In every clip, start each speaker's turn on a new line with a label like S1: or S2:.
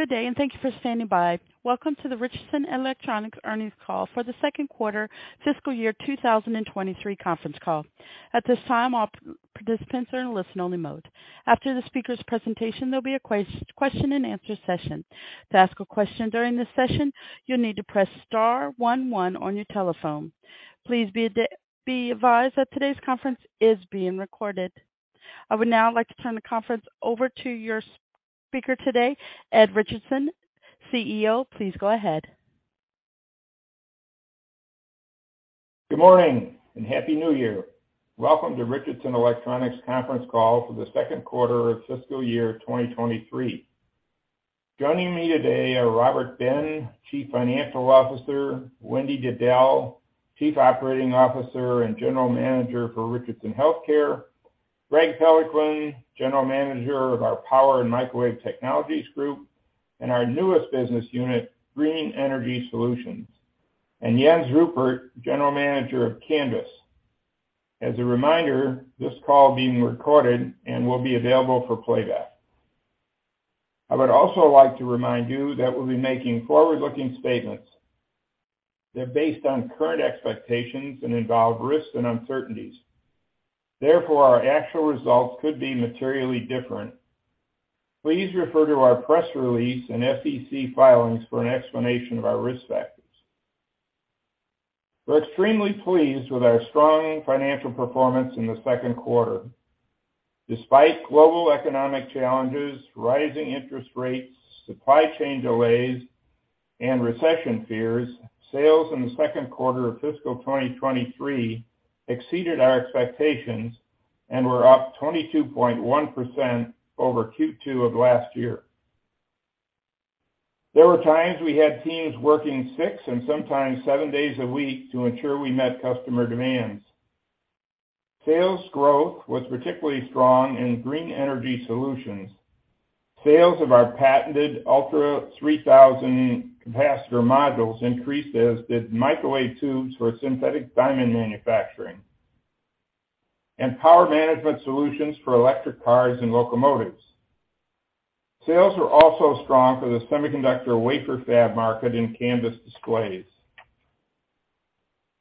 S1: Good day and thank you for standing by. Welcome to the Richardson Electronics earnings call for the second quarter fiscal year 2023 conference call. At this time, all participants are in listen-only mode. After the speaker's presentation, there'll be a question-and-answer session. To ask a question during this session, you'll need to press star one one on your telephone. Please be advised that today's conference is being recorded. I would now like to turn the conference over to your speaker today, Ed Richardson, CEO. Please go ahead.
S2: Good morning and Happy New Year. Welcome to Richardson Electronics conference call for the second quarter of fiscal year 2023. Joining me today are Robert Ben, Chief Financial Officer, Wendy Diddell, Chief Operating Officer and General Manager for Richardson Healthcare, Greg Peloquin, General Manager of our Power & Microwave Technologies Group, and our newest business unit, Green Energy Solutions, and Jens Ruppert, General Manager of Canvys. As a reminder, this call being recorded and will be available for playback. I would also like to remind you that we'll be making forward-looking statements. They're based on current expectations and involve risks and uncertainties. Therefore, our actual results could be materially different. Please refer to our press release and SEC filings for an explanation of our risk factors. We're extremely pleased with our strong financial performance in the second quarter. Despite global economic challenges, rising interest rates, supply chain delays, and recession fears, sales in the second quarter of fiscal 2023 exceeded our expectations and were up 22.1% over Q2 of last year. There were times we had teams working six and sometimes seven days a week to ensure we met customer demands. Sales growth was particularly strong in Green Energy Solutions. Sales of our patented ULTRA3000 capacitor modules increased as did microwave tubes for synthetic diamond manufacturing and power management solutions for electric cars and locomotives. Sales were also strong for the semiconductor wafer fab market in Canvys displays.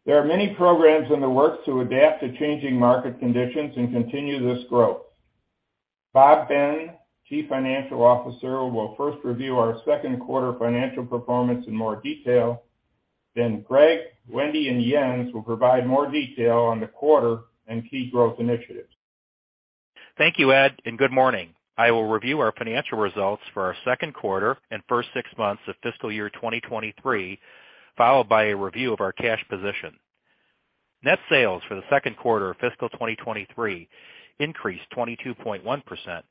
S2: There are many programs in the works to adapt to changing market conditions and continue this growth. Bob Ben, Chief Financial Officer, will first review our second quarter financial performance in more detail. Greg, Wendy, and Jens will provide more detail on the quarter and key growth initiatives.
S3: Thank you, Ed. Good morning. I will review our financial results for our second quarter and first six months of fiscal year 2023, followed by a review of our cash position. Net sales for the second quarter of fiscal 2023 increased 22.1%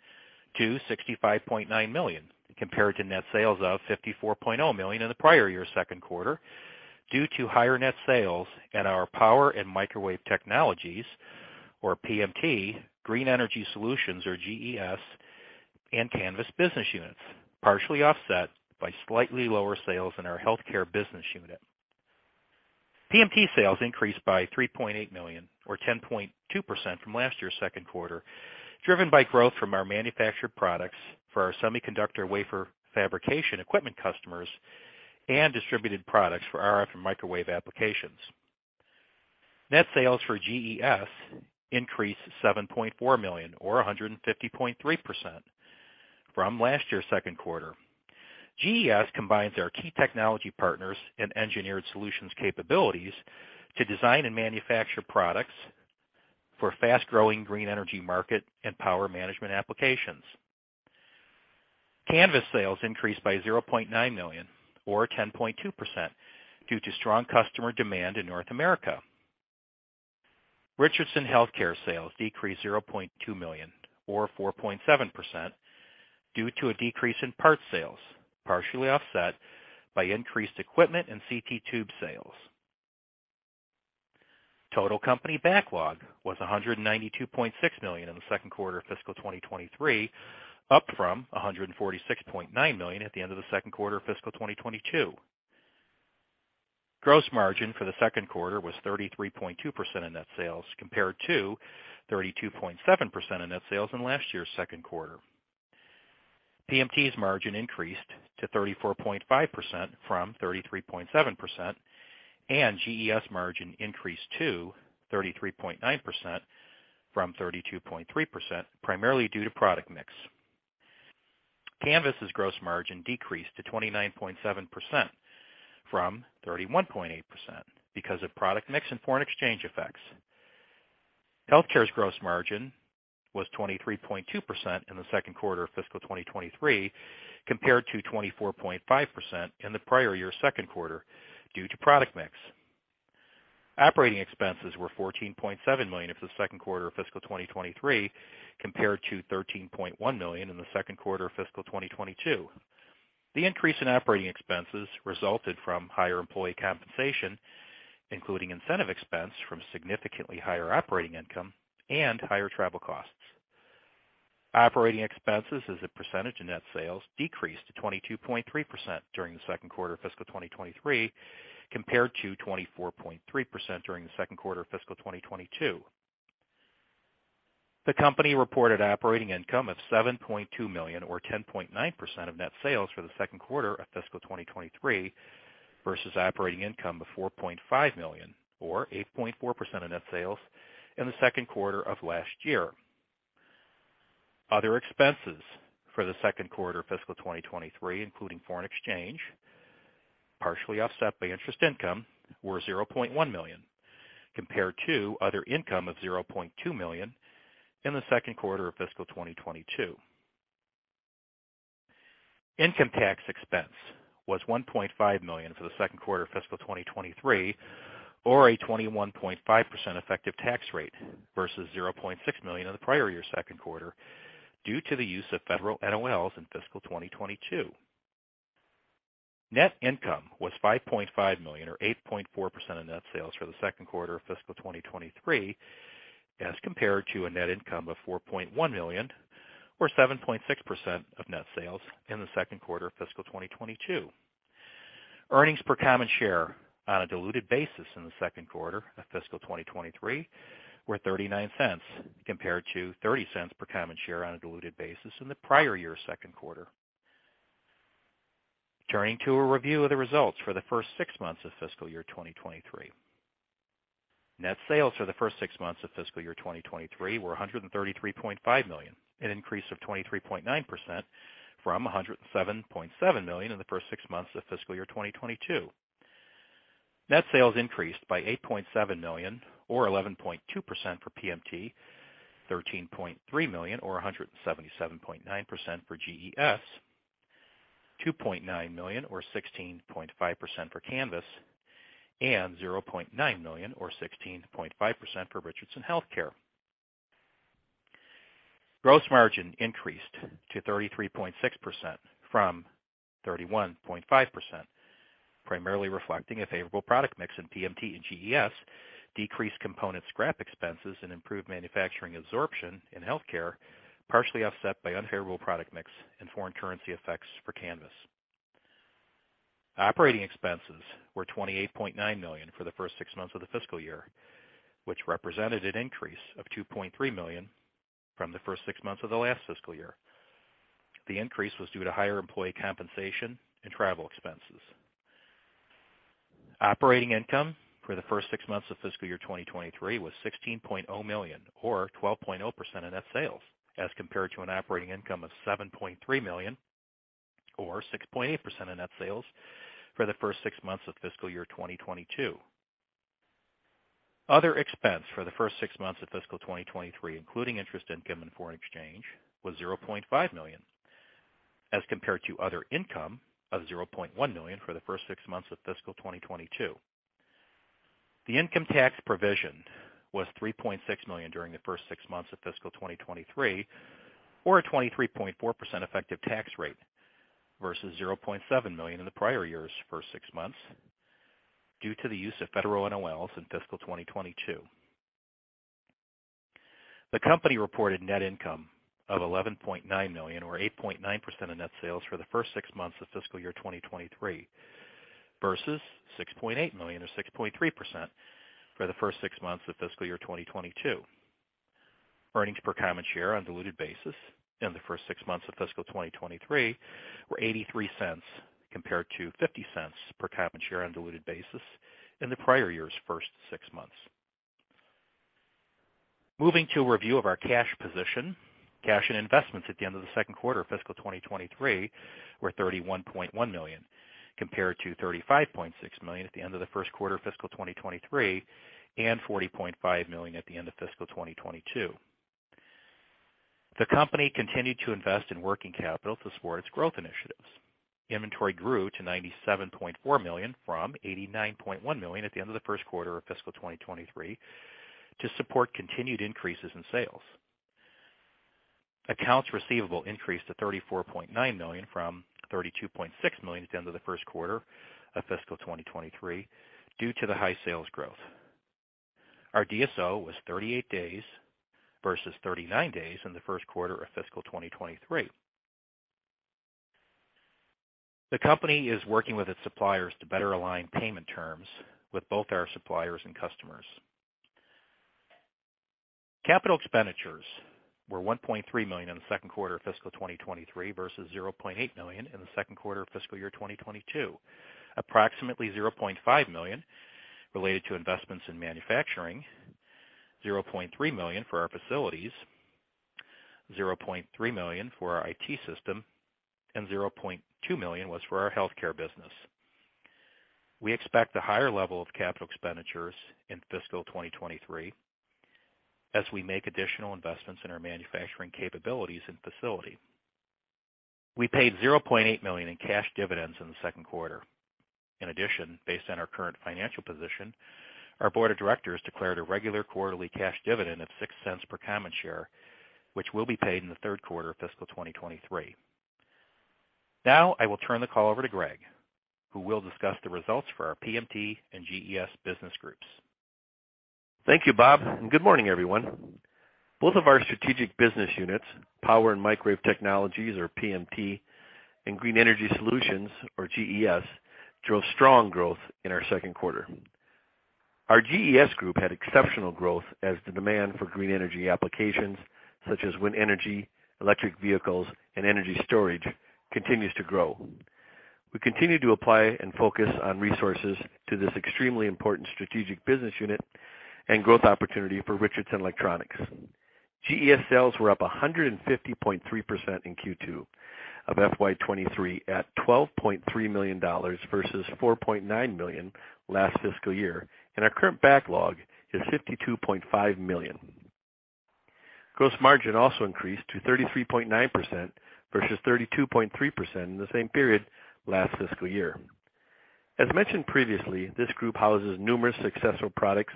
S3: to $65.9 million, compared to net sales of $54.0 million in the prior year's second quarter, due to higher net sales in our Power & Microwave Technologies, or PMT, Green Energy Solutions, or GES, and Canvys business units, partially offset by slightly lower sales in our Healthcare business unit. PMT sales increased by $3.8 million or 10.2% from last year's second quarter, driven by growth from our manufactured products for our semiconductor wafer fabrication equipment customers and distributed products for RF and microwave applications. Net sales for GES increased $7.4 million or 150.3% from last year's second quarter. GES combines our key technology partners and engineered solutions capabilities to design and manufacture products for fast-growing green energy market and power management applications. Canvys sales increased by $0.9 million or 10.2% due to strong customer demand in North America. Richardson Healthcare sales decreased $0.2 million or 4.7% due to a decrease in parts sales, partially offset by increased equipment in CT tube sales. Total company backlog was $192.6 million in the second quarter of fiscal 2023, up from $146.9 million at the end of the second quarter of fiscal 2022. Gross margin for the second quarter was 33.2% of net sales, compared to 32.7% of net sales in last year's second quarter. PMT's margin increased to 34.5% from 33.7%, and GES margin increased to 33.9% from 32.3%, primarily due to product mix. Canvys's gross margin decreased to 29.7% from 31.8% because of product mix and foreign exchange effects. Healthcare's gross margin was 23.2% in the second quarter of fiscal 2023, compared to 24.5% in the prior year's second quarter, due to product mix. Operating expenses were $14.7 million in the second quarter of fiscal 2023, compared to $13.1 million in the second quarter of fiscal 2022. The increase in operating expenses resulted from higher employee compensation, including incentive expense from significantly higher operating income and higher travel costs. Operating expenses as a percentage of net sales decreased to 22.3% during the second quarter of fiscal 2023, compared to 24.3% during the second quarter of fiscal 2022. The company reported operating income of $7.2 million or 10.9% of net sales for the second quarter of fiscal 2023 versus operating income of $4.5 million or 8.4% of net sales in the second quarter of last year. Other expenses for the second quarter of fiscal 2023, including foreign exchange, partially offset by interest income, were $0.1 million, compared to other income of $0.2 million in the second quarter of fiscal 2022. Income tax expense was $1.5 million for the second quarter of fiscal 2023, or a 21.5% effective tax rate versus $0.6 million in the prior year second quarter, due to the use of federal NOLs in fiscal 2022. Net income was $5.5 million or 8.4% of net sales for the second quarter of fiscal 2023 as compared to a net income of $4.1 million or 7.6% of net sales in the second quarter of fiscal 2022. Earnings per common share on a diluted basis in the second quarter of fiscal 2023 were $0.39 compared to $0.30 per common share on a diluted basis in the prior year second quarter. Turning to a review of the results for the first six months of fiscal year 2023. Net sales for the first six months of fiscal year 2023 were $133.5 million, an increase of 23.9% from $107.7 million in the first six months of fiscal year 2022. Net sales increased by $8.7 million or 11.2% for PMT, $13.3 million or 177.9% for GES, $2.9 million or 16.5% for Canvys, and $0.9 million or 16.5% for Richardson Healthcare. Gross margin increased to 33.6% from 31.5%, primarily reflecting a favorable product mix in PMT and GES, decreased component scrap expenses and improved manufacturing absorption in Healthcare, partially offset by unfavorable product mix and foreign currency effects for Canvys. Operating expenses were $28.9 million for the first six months of the fiscal year, which represented an increase of $2.3 million from the first six months of the last fiscal year. The increase was due to higher employee compensation and travel expenses. Operating income for the first six months of fiscal year 2023 was $16.0 million or 12.0% of net sales as compared to an operating income of $7.3 million or 6.8% of net sales for the first six months of fiscal year 2022. Other expense for the first six months of fiscal 2023, including interest income and foreign exchange, was $0.5 million as compared to other income of $0.1 million for the first six months of fiscal 2022. The income tax provision was $3.6 million during the first six months of fiscal 2023 or a 23.4% effective tax rate versus $0.7 million in the prior year's first six months due to the use of federal NOLs in fiscal 2022. The company reported net income of $11.9 million or 8.9% of net sales for the first six months of fiscal year 2023 versus $6.8 million or 6.3% for the first six months of fiscal year 2022. Earnings per common share on diluted basis in the first six months of fiscal 2023 were $0.83 compared to $0.50 per common share on diluted basis in the prior year's first six months. Moving to a review of our cash position. Cash and investments at the end of the second quarter of fiscal 2023 were $31.1 million, compared to $35.6 million at the end of the first quarter of fiscal 2023 and $40.5 million at the end of fiscal 2022. The company continued to invest in working capital to support its growth initiatives. Inventory grew to $97.4 million from $89.1 million at the end of the first quarter of fiscal 2023 to support continued increases in sales. Accounts receivable increased to $34.9 million from $32.6 million at the end of the first quarter of fiscal 2023 due to the high sales growth. Our DSO was 38 days versus 39 days in the first quarter of fiscal 2023. The company is working with its suppliers to better align payment terms with both our suppliers and customers. CapEx were $1.3 million in the second quarter of fiscal 2023 versus $0.8 million in the second quarter of fiscal year 2022. Approximately $0.5 million related to investments in manufacturing, $0.3 million for our facilities, $0.3 million for our IT system, and $0.2 million was for our Healthcare business. We expect a higher level of CapEx in fiscal 2023 as we make additional investments in our manufacturing capabilities and facility. We paid $0.8 million in cash dividends in the second quarter. In addition, based on our current financial position, our board of directors declared a regular quarterly cash dividend of $0.06 per common share, which will be paid in the third quarter of fiscal 2023. Now I will turn the call over to Greg, who will discuss the results for our PMT and GES business groups.
S4: Thank you, Bob, and good morning, everyone. Both of our strategic business units, Power and Microwave Technologies or PMT and Green Energy Solutions or GES, drove strong growth in our second quarter. Our GES group had exceptional growth as the demand for green energy applications such as wind energy, electric vehicles, and energy storage continues to grow. We continue to apply and focus on resources to this extremely important strategic business unit and growth opportunity for Richardson Electronics. GES sales were up 150.3% in Q2 of FY 2023 at $12.3 million versus $4.9 million last fiscal year, and our current backlog is $52.5 million. Gross margin also increased to 33.9% versus 32.3% in the same period last fiscal year. As mentioned previously, this group houses numerous successful products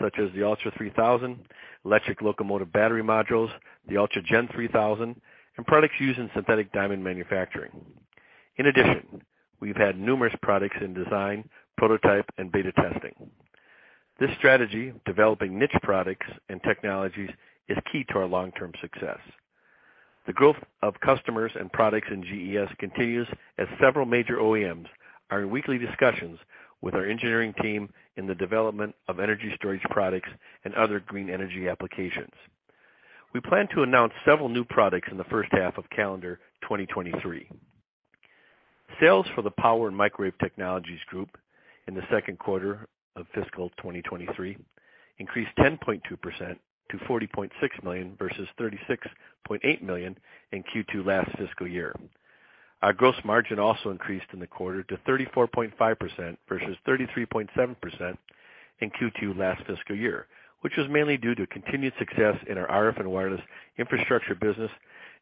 S4: such as the ULTRA3000, electric locomotive battery modules, the UltraGen3000, and products used in synthetic diamond manufacturing. In addition, we've had numerous products in design, prototype, and beta testing. This strategy, developing niche products and technologies, is key to our long-term success. The growth of customers and products in GES continues as several major OEMs are in weekly discussions with our engineering team in the development of energy storage products and other green energy applications. We plan to announce several new products in the first half of calendar 2023. Sales for the Power & Microwave Technologies group in the second quarter of fiscal 2023 increased 10.2% to $40.6 million versus $36.8 million in Q2 last fiscal year. Our gross margin also increased in the quarter to 34.5% versus 33.7% in Q2 last fiscal year, which was mainly due to continued success in our RF and wireless infrastructure business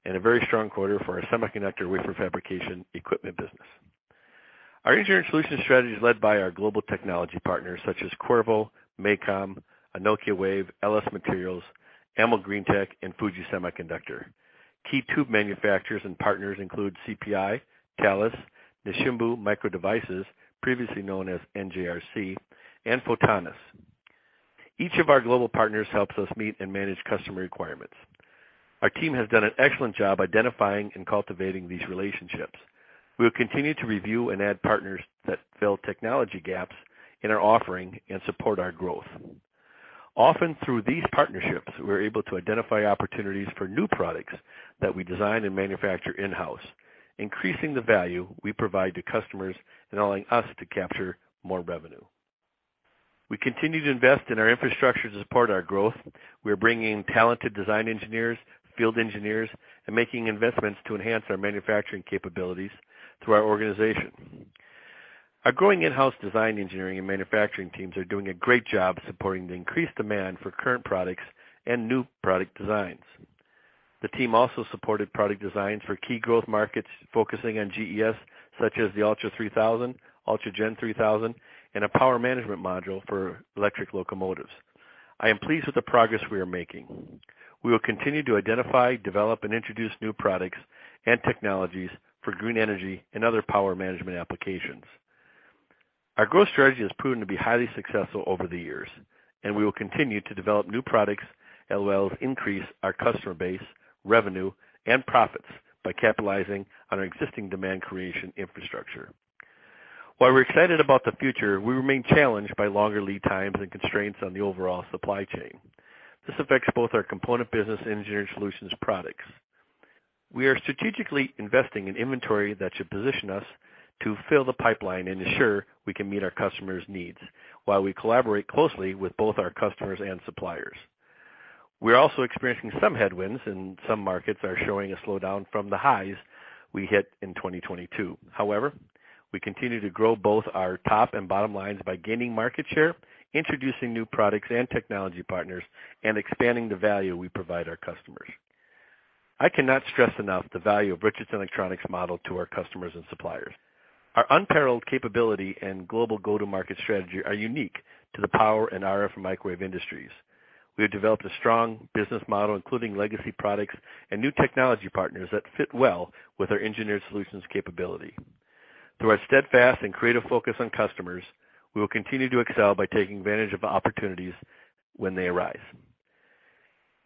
S4: and a very strong quarter for our semiconductor wafer fabrication equipment business. Our engineering solutions strategy is led by our global technology partners such as Qorvo, MACOM, Anokiwave, LS Materials, Amogreentech, and Fuji Semiconductor. Key tube manufacturers and partners include CPI, Thales, Nisshinbo Micro Devices, previously known as NJRC, and Photonis. Each of our global partners helps us meet and manage customer requirements. Our team has done an excellent job identifying and cultivating these relationships. We will continue to review and add partners that fill technology gaps in our offering and support our growth. Often, through these partnerships, we're able to identify opportunities for new products that we design and manufacture in-house, increasing the value we provide to customers and allowing us to capture more revenue. We continue to invest in our infrastructure to support our growth. We are bringing talented design engineers, field engineers, and making investments to enhance our manufacturing capabilities through our organization. Our growing in-house design engineering and manufacturing teams are doing a great job supporting the increased demand for current products and new product designs. The team also supported product designs for key growth markets, focusing on GES such as the ULTRA3000, UltraGen3000, and a power management module for electric locomotives. I am pleased with the progress we are making. We will continue to identify, develop, and introduce new products and technologies for green energy and other power management applications. Our growth strategy has proven to be highly successful over the years. We will continue to develop new products that will increase our customer base, revenue, and profits by capitalizing on our existing demand creation infrastructure. While we're excited about the future, we remain challenged by longer lead times and constraints on the overall supply chain. This affects both our component business and engineered solutions products. We are strategically investing in inventory that should position us to fill the pipeline and ensure we can meet our customers' needs while we collaborate closely with both our customers and suppliers. We are also experiencing some headwinds. Some markets are showing a slowdown from the highs we hit in 2022. However, we continue to grow both our top and bottom lines by gaining market share, introducing new products and technology partners, and expanding the value we provide our customers. I cannot stress enough the value of Richardson Electronics' model to our customers and suppliers. Our unparalleled capability and global go-to-market strategy are unique to the power and RF microwave industries. We have developed a strong business model, including legacy products and new technology partners that fit well with our engineered solutions capability. Through our steadfast and creative focus on customers, we will continue to excel by taking advantage of opportunities when they arise.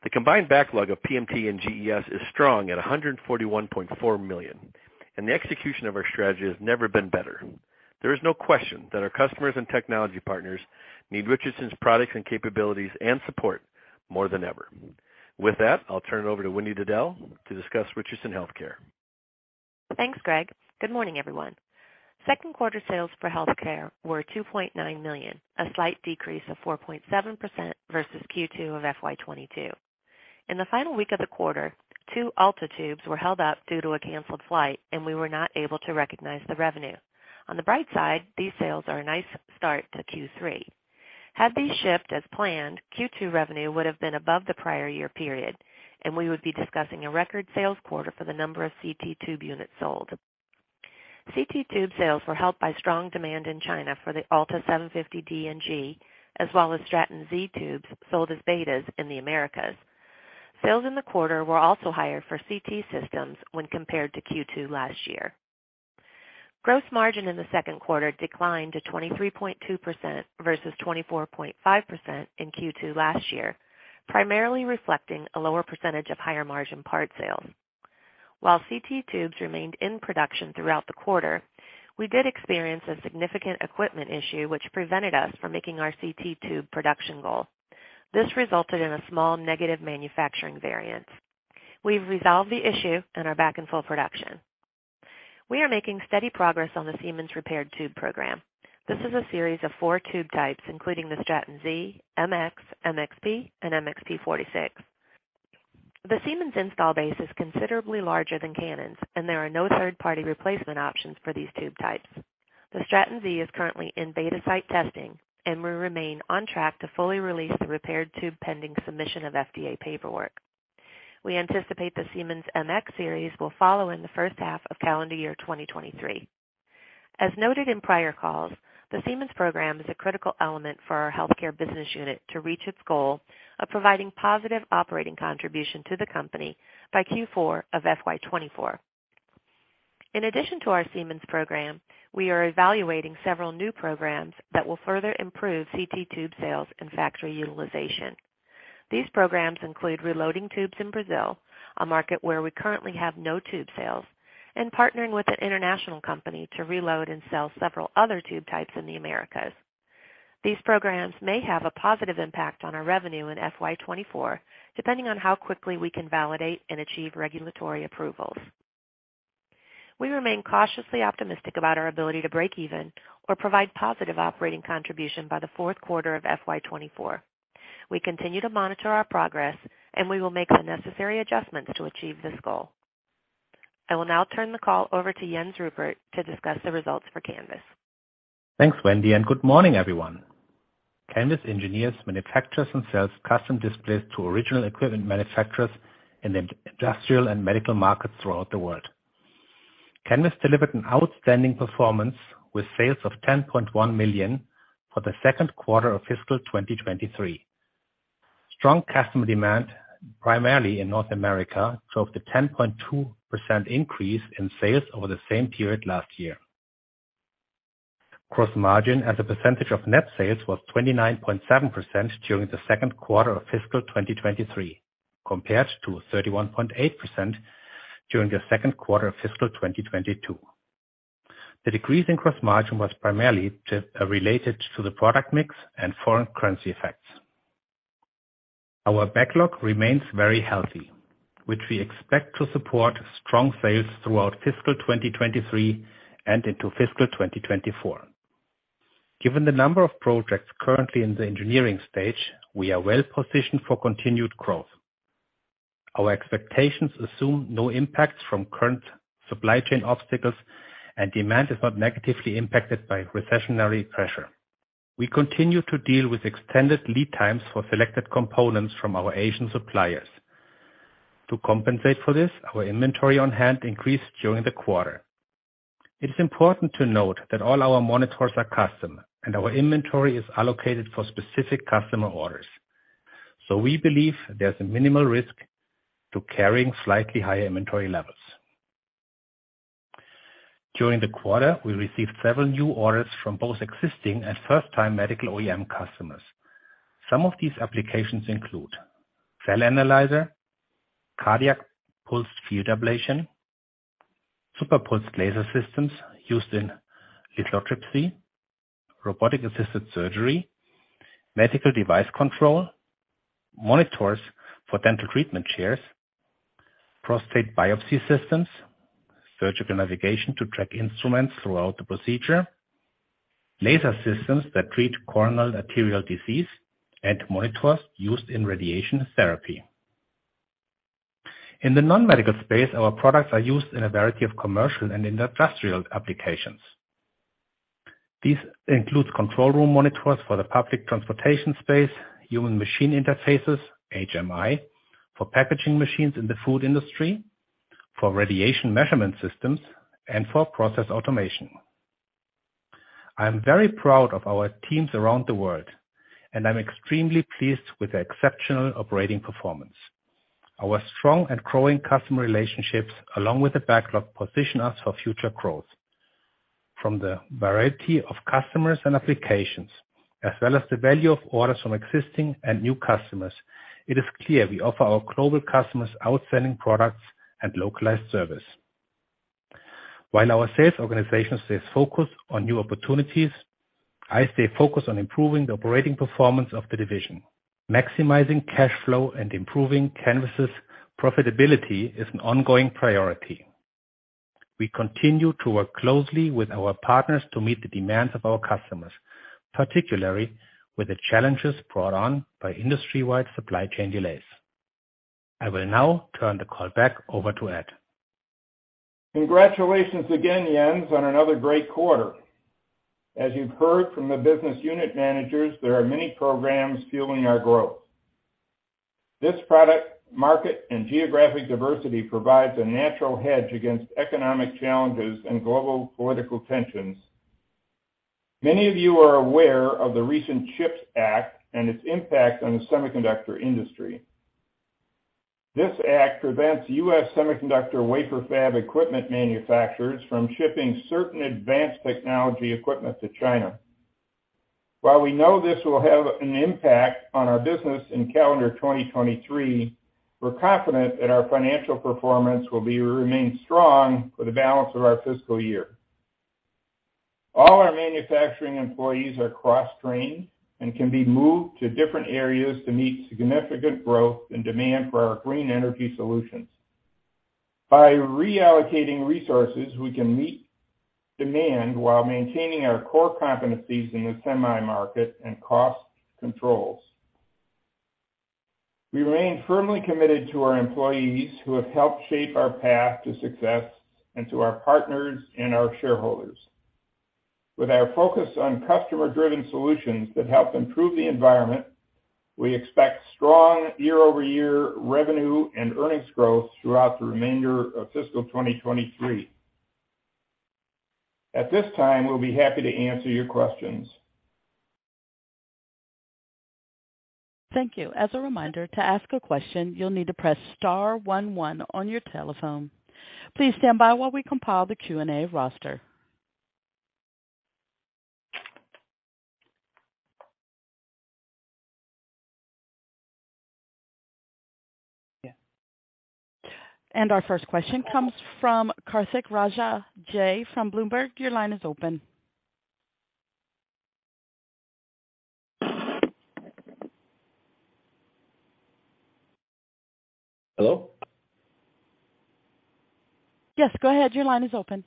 S4: The combined backlog of PMT and GES is strong at $141.4 million, and the execution of our strategy has never been better. There is no question that our customers and technology partners need Richardson's products and capabilities and support more than ever. With that, I'll turn it over to Wendy Diddell to discuss Richardson Healthcare.
S5: Thanks, Greg. Good morning, everyone. Second quarter sales for Healthcare were $2.9 million, a slight decrease of 4.7% versus Q2 of FY 2022. In the final week of the quarter, two ALTA tubes were held up due to a canceled flight. We were not able to recognize the revenue. On the bright side, these sales are a nice start to Q3. Had these shipped as planned, Q2 revenue would have been above the prior year period. We would be discussing a record sales quarter for the number of CT tube units sold. CT tube sales were helped by strong demand in China for the ALTA750D and G, as well as Straton Z tubes sold as betas in the Americas. Sales in the quarter were also higher for CT systems when compared to Q2 last year. Gross margin in the second quarter declined to 23.2% versus 24.5% in Q2 last year, primarily reflecting a lower percentage of higher-margin part sales. While CT tubes remained in production throughout the quarter, we did experience a significant equipment issue which prevented us from making our CT tube production goal. This resulted in a small negative manufacturing variance. We've resolved the issue and are back in full production. We are making steady progress on the Siemens repaired tube program. This is a series of four tube types, including the Straton Z, MX, MXP, and MX-P46. The Siemens install base is considerably larger than Canon's, and there are no third-party replacement options for these tube types. The Straton Z is currently in beta site testing and will remain on track to fully release the repaired tube pending submission of FDA paperwork. We anticipate the Siemens MX series will follow in the first half of calendar year 2023. As noted in prior calls, the Siemens program is a critical element for our healthcare business unit to reach its goal of providing positive operating contribution to the company by Q4 of FY 2024. In addition to our Siemens program, we are evaluating several new programs that will further improve CT tube sales and factory utilization. These programs include reloading tubes in Brazil, a market where we currently have no tube sales, and partnering with an international company to reload and sell several other tube types in the Americas. These programs may have a positive impact on our revenue in FY 2024, depending on how quickly we can validate and achieve regulatory approvals. We remain cautiously optimistic about our ability to break even or provide positive operating contribution by the fourth quarter of FY 2024. We continue to monitor our progress, and we will make the necessary adjustments to achieve this goal. I will now turn the call over to Jens Ruppert to discuss the results for Canvys.
S6: Thanks, Wendy, and good morning, everyone. Canvys engineers, manufacturers, and sells custom displays to original equipment manufacturers in the industrial and medical markets throughout the world. Canvys delivered an outstanding performance with sales of $10.1 million for the second quarter of fiscal 2023. Strong customer demand, primarily in North America, drove the 10.2% increase in sales over the same period last year. Gross margin as a percentage of net sales was 29.7% during the second quarter of fiscal 2023, compared to 31.8% during the second quarter of fiscal 2022. The decrease in gross margin was primarily related to the product mix and foreign currency effects. Our backlog remains very healthy, which we expect to support strong sales throughout fiscal 2023 and into fiscal 2024. Given the number of projects currently in the engineering stage, we are well positioned for continued growth. Our expectations assume no impacts from current supply chain obstacles and demand is not negatively impacted by recessionary pressure. We continue to deal with extended lead times for selected components from our Asian suppliers. To compensate for this, our inventory on hand increased during the quarter. It is important to note that all our monitors are custom, and our inventory is allocated for specific customer orders. We believe there's a minimal risk to carrying slightly higher inventory levels. During the quarter, we received several new orders from both existing and first-time medical OEM customers. Some of these applications include cell analyzer, cardiac pulsed field ablation, super pulsed laser systems used in lithotripsy, robotic-assisted surgery, medical device control, monitors for dental treatment chairs, prostate biopsy systems, surgical navigation to track instruments throughout the procedure, laser systems that treat coronary arterial disease, and monitors used in radiation therapy. In the non-medical space, our products are used in a variety of commercial and industrial applications. These includes control room monitors for the public transportation space, human machine interfaces, HMI, for packaging machines in the food industry, for radiation measurement systems, and for process automation. I am very proud of our teams around the world, and I'm extremely pleased with the exceptional operating performance. Our strong and growing customer relationships, along with the backlog, position us for future growth. From the variety of customers and applications, as well as the value of orders from existing and new customers, it is clear we offer our global customers outstanding products and localized service. While our sales organization stays focused on new opportunities, I stay focused on improving the operating performance of the division. Maximizing cash flow and improving Canvys' profitability is an ongoing priority. We continue to work closely with our partners to meet the demands of our customers, particularly with the challenges brought on by industry-wide supply chain delays. I will now turn the call back over to Ed.
S2: Congratulations again, Jens, on another great quarter. As you've heard from the business unit managers, there are many programs fueling our growth. This product market and geographic diversity provides a natural hedge against economic challenges and global political tensions. Many of you are aware of the recent CHIPS Act and its impact on the semiconductor industry. This act prevents U.S. semiconductor wafer fab equipment manufacturers from shipping certain advanced technology equipment to China. While we know this will have an impact on our business in calendar 2023, we're confident that our financial performance will remain strong for the balance of our fiscal year. All our manufacturing employees are cross-trained and can be moved to different areas to meet significant growth and demand for our Green Energy Solutions. By reallocating resources, we can meet demand while maintaining our core competencies in the semi market and cost controls. We remain firmly committed to our employees who have helped shape our path to success and to our partners and our shareholders. With our focus on customer-driven solutions that help improve the environment, we expect strong year-over-year revenue and earnings growth throughout the remainder of fiscal 2023. At this time, we'll be happy to answer your questions.
S1: Thank you. As a reminder to ask a question, you'll need to press star one one on your telephone. Please stand by while we compile the Q&A roster. Our first question comes from Karthik Raja Jay from Bloomberg. Your line is open.
S7: Hello.
S1: Yes, go ahead. Your line is open.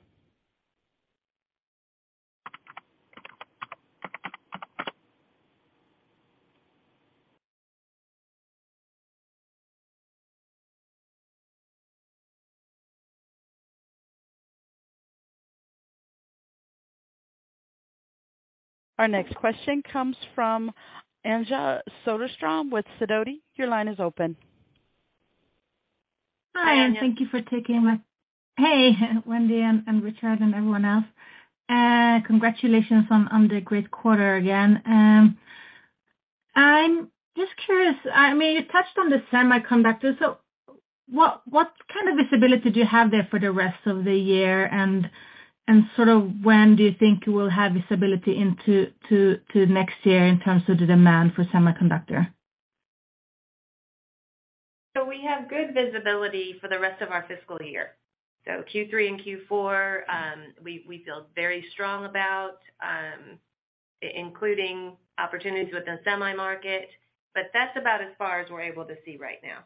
S1: Our next question comes from Anja Soderstrom with Sidoti. Your line is open.
S8: Hi, thank you for taking my. Hey, Wendy and Richard and everyone else. Congratulations on the great quarter again. I'm just curious. I mean, you touched on the semiconductor, what kind of visibility do you have there for the rest of the year? Sort of when do you think you will have visibility into next year in terms of the demand for semiconductor?
S5: We have good visibility for the rest of our fiscal year. Q3 and Q4, we feel very strong about, including opportunities within the semi market. That's about as far as we're able to see right now.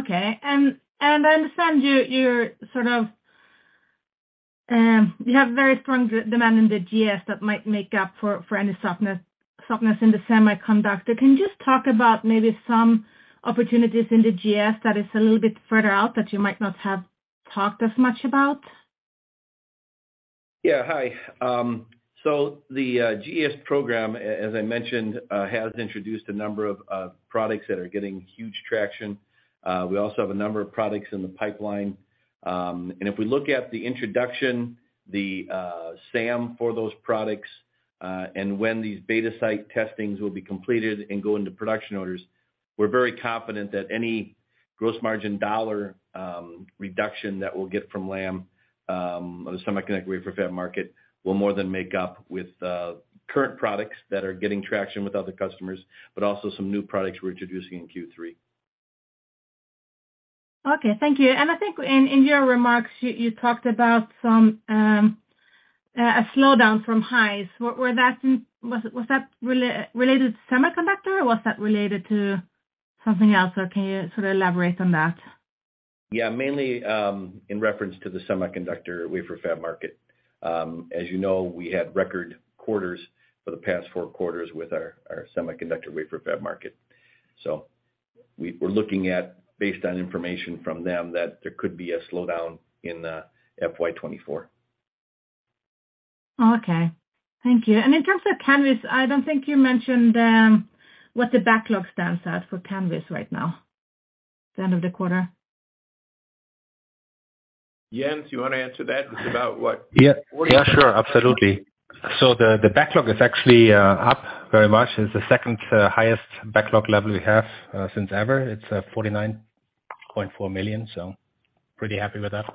S8: Okay. I understand you're sort of, you have very strong demand in the GES that might make up for any softness in the semiconductor. Can you just talk about maybe some opportunities in the GES that is a little bit further out that you might not have talked as much about?
S4: Yeah. Hi. The GS program, as I mentioned, has introduced a number of products that are getting huge traction. We also have a number of products in the pipeline. If we look at the introduction, the SAM for those products, and when these beta site testings will be completed and go into production orders, we're very confident that any gross margin dollar reduction that we'll get from LAM or the semiconductor wafer fab market, will more than make up with current products that are getting traction with other customers, but also some new products we're introducing in Q3.
S8: Okay, thank you. I think in your remarks you talked about some, a slowdown from highs. Was that related to semiconductor or was that related to something else? Can you sort of elaborate on that?
S4: Mainly in reference to the semiconductor wafer fab market. As you know, we had record quarters for the past four quarters with our semiconductor wafer fab market. We're looking at based on information from them, that there could be a slowdown in FY 2024.
S8: Okay, thank you. In terms of Canvys, I don't think you mentioned what the backlog stands at for Canvys right now at the end of the quarter.
S2: Jens, you wanna answer that? It's about.
S6: Yeah, sure. Absolutely. The backlog is actually up very much. It's the second highest backlog level we have since ever. It's $49.4 million, pretty happy with that.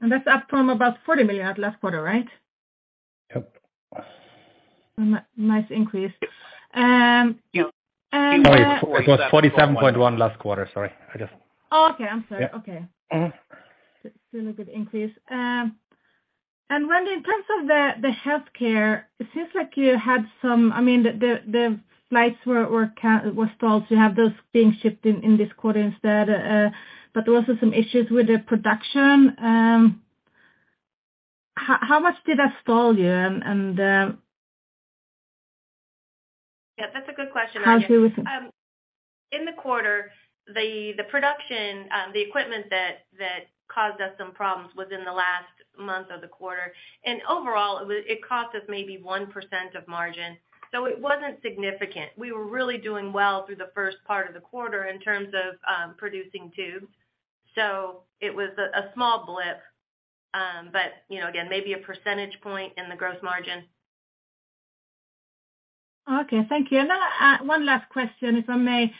S8: That's up from about $40 million last quarter, right?
S6: Yep.
S8: Nice increase.
S6: Sorry. It was $47.1 million last quarter. Sorry.
S8: Oh, okay. I'm sorry.
S6: Yeah.
S8: Okay. Still a good increase. Wendy, in terms of the healthcare, it seems like you had some, I mean, the flights were stalled. You have those being shipped in this quarter instead. There were also some issues with the production. How much did that stall you and?
S5: Yeah, that's a good question.
S8: How do you
S5: In the quarter the production, the equipment that caused us some problems was in the last month of the quarter. Overall it cost us maybe 1% of margin. It wasn't significant. We were really doing well through the first part of the quarter in terms of producing tubes. It was a small blip. You know, again, maybe a percentage point in the gross margin.
S8: Okay. Thank you. One last question, if I may.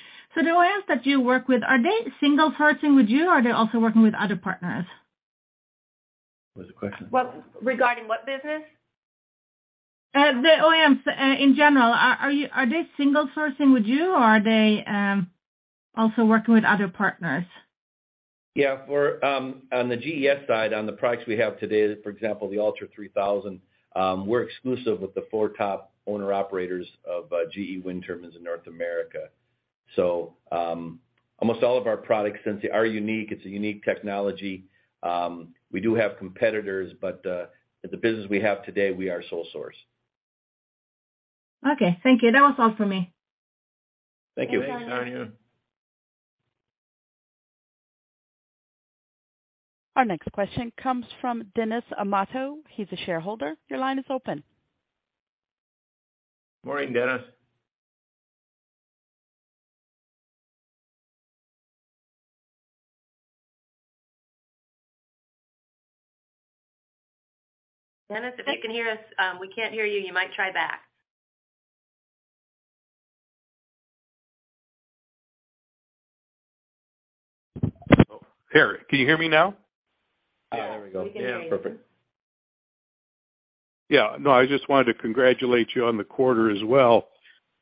S8: The OEMs that you work with, are they single-sourcing with you, or are they also working with other partners?
S4: What was the question?
S5: Well, regarding what business?
S8: The OEMs in general. Are they single-sourcing with you, or are they also working with other partners?
S4: Yeah. For, on the GES side, on the products we have today, for example, the ULTRA3000, we're exclusive with the four top owner-operators of GE wind turbines in North America. Almost all of our products, since they are unique, it's a unique technology, we do have competitors, but the business we have today, we are sole source.
S8: Okay. Thank you. That was all for me.
S4: Thank you.
S2: Thanks, Arjan.
S1: Our next question comes from Denis Amato. He's a shareholder. Your line is open.
S2: Morning, Denis.
S5: Denis, if you can hear us, we can't hear you. You might try back.
S9: Oh, here. Can you hear me now?
S5: Yeah.
S9: There we go.
S5: We can hear you.
S4: Perfect.
S9: Yeah. No, I just wanted to congratulate you on the quarter as well.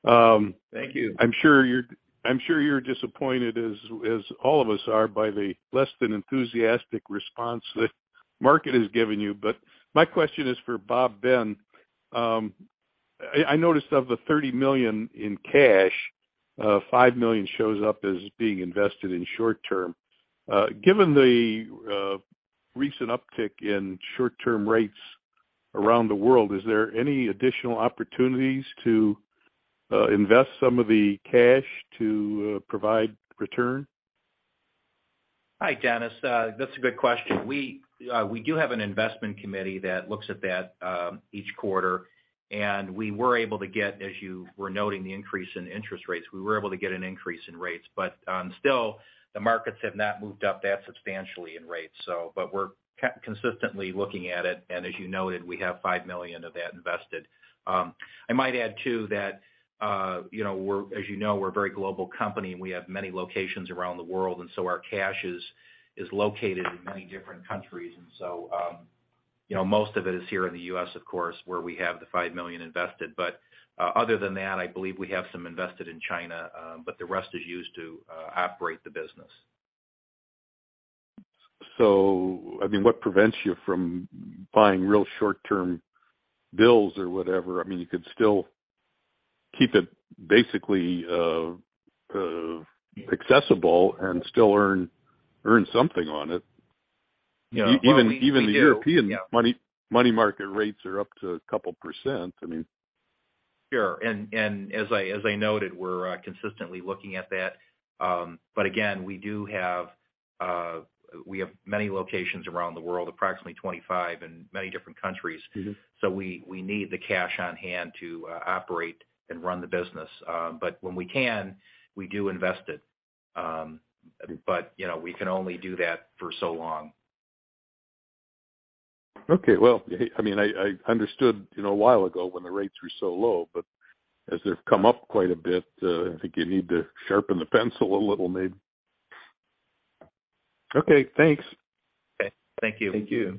S4: Thank you.
S9: I'm sure you're disappointed as all of us are, by the less than enthusiastic response the market has given you. My question is for Bob Ben. I noticed of the $30 million in cash, $5 million shows up as being invested in short term. Given the recent uptick in short-term rates around the world, is there any additional opportunities to invest some of the cash to provide return?
S3: Hi, Denis. That's a good question. We do have an investment committee that looks at that each quarter, and we were able to get, as you were noting, the increase in interest rates. We were able to get an increase in rates. Still, the markets have not moved up that substantially in rates. We're consistently looking at it, and as you noted, we have $5 million of that invested. I might add too that, you know, as you know, we're a very global company, and we have many locations around the world, and so our cash is located in many different countries. Most of it is here in the U.S., of course, where we have the $5 million invested. Other than that, I believe we have some invested in China, but the rest is used to operate the business.
S9: I mean, what prevents you from buying real short-term bills or whatever? I mean, you could still keep it basically accessible and still earn something on it.
S3: Yeah. Well, we do.
S9: Even the European money market rates are up to a couple percent, I mean.
S3: Sure. As I noted, we're consistently looking at that. Again, we do have, we have many locations around the world, approximately 25 in many different countries.
S9: Mm-hmm.
S3: We need the cash on hand to operate and run the business. When we can, we do invest it. You know, we can only do that for so long.
S9: Okay. Well, I mean, I understood, you know, a while ago when the rates were so low, but as they've come up quite a bit, I think you need to sharpen the pencil a little maybe. Okay, thanks.
S3: Okay. Thank you.
S9: Thank you.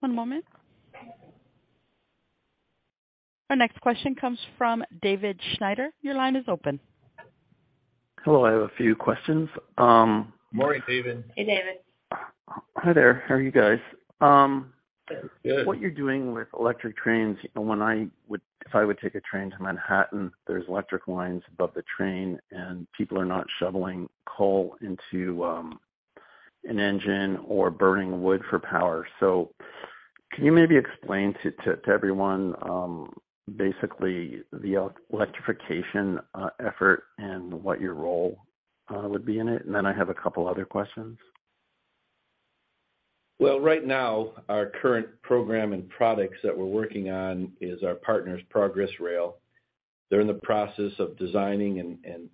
S1: One moment. Our next question comes from David Schneider. Your line is open.
S10: Hello. I have a few questions.
S2: Morning, David.
S5: Hey, David.
S10: Hi there. How are you guys?
S4: Good.
S10: What you're doing with electric trains, if I would take a train to Manhattan, there's electric lines above the train, and people are not shoveling coal into an engine or burning wood for power. Can you maybe explain to everyone basically the electrification effort and what your role would be in it? I have a couple other questions.
S4: Well, right now, our current program and products that we're working on is our partners, Progress Rail. They're in the process of designing and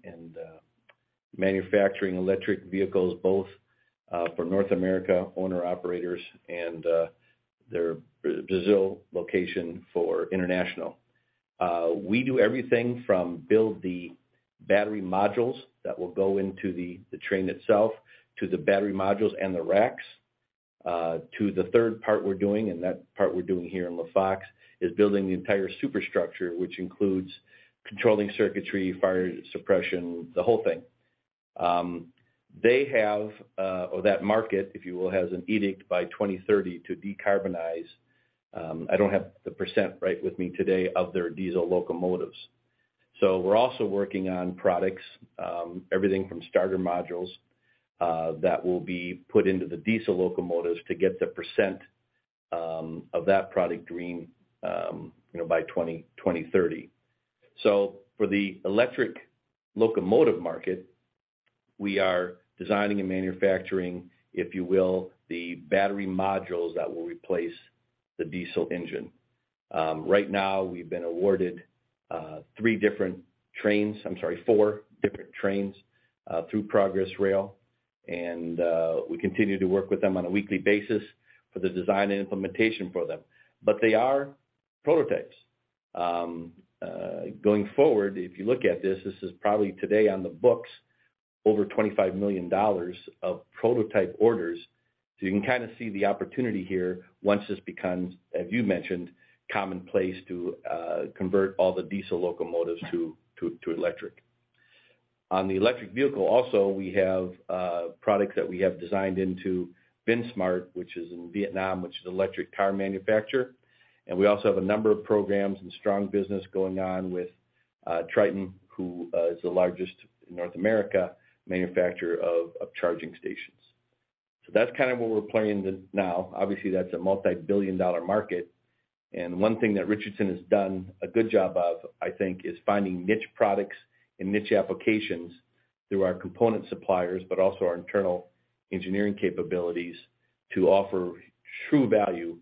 S4: manufacturing electric vehicles both for North America owner-operators and their Brazil location for international. We do everything from build the battery modules that will go into the train itself, to the battery modules and the racks, to the third part we're doing, and that part we're doing here in La Fox, is building the entire superstructure, which includes controlling circuitry, fire suppression, the whole thing. They have, or that market, if you will, has an edict by 2030 to decarbonize, I don't have the pecent right with me today, of their diesel locomotives. We're also working on products, everything from starter modules, that will be put into the diesel locomotives to get the percent of that product green, you know, by 2030. For the electric locomotive market, we are designing and manufacturing, if you will, the battery modules that will replace the diesel engine. Right now we've been awarded three different trains. I'm sorry, four different trains through Progress Rail, and we continue to work with them on a weekly basis for the design and implementation for them. They are prototypes. Going forward, if you look at this is probably today on the books over $25 million of prototype orders. You can kinda see the opportunity here once this becomes, as you mentioned, commonplace to convert all the diesel locomotives to electric. On the electric vehicle also, we have products that we have designed into Vinsmart, which is in Vietnam, which is an electric car manufacturer. We also have a number of programs and strong business going on with Tritium, who is the largest in North America manufacturer of charging stations. That's kind of what we're playing with now. Obviously, that's a multibillion-dollar market. One thing that Richardson has done a good job of, I think, is finding niche products and niche applications through our component suppliers, but also our internal engineering capabilities to offer true value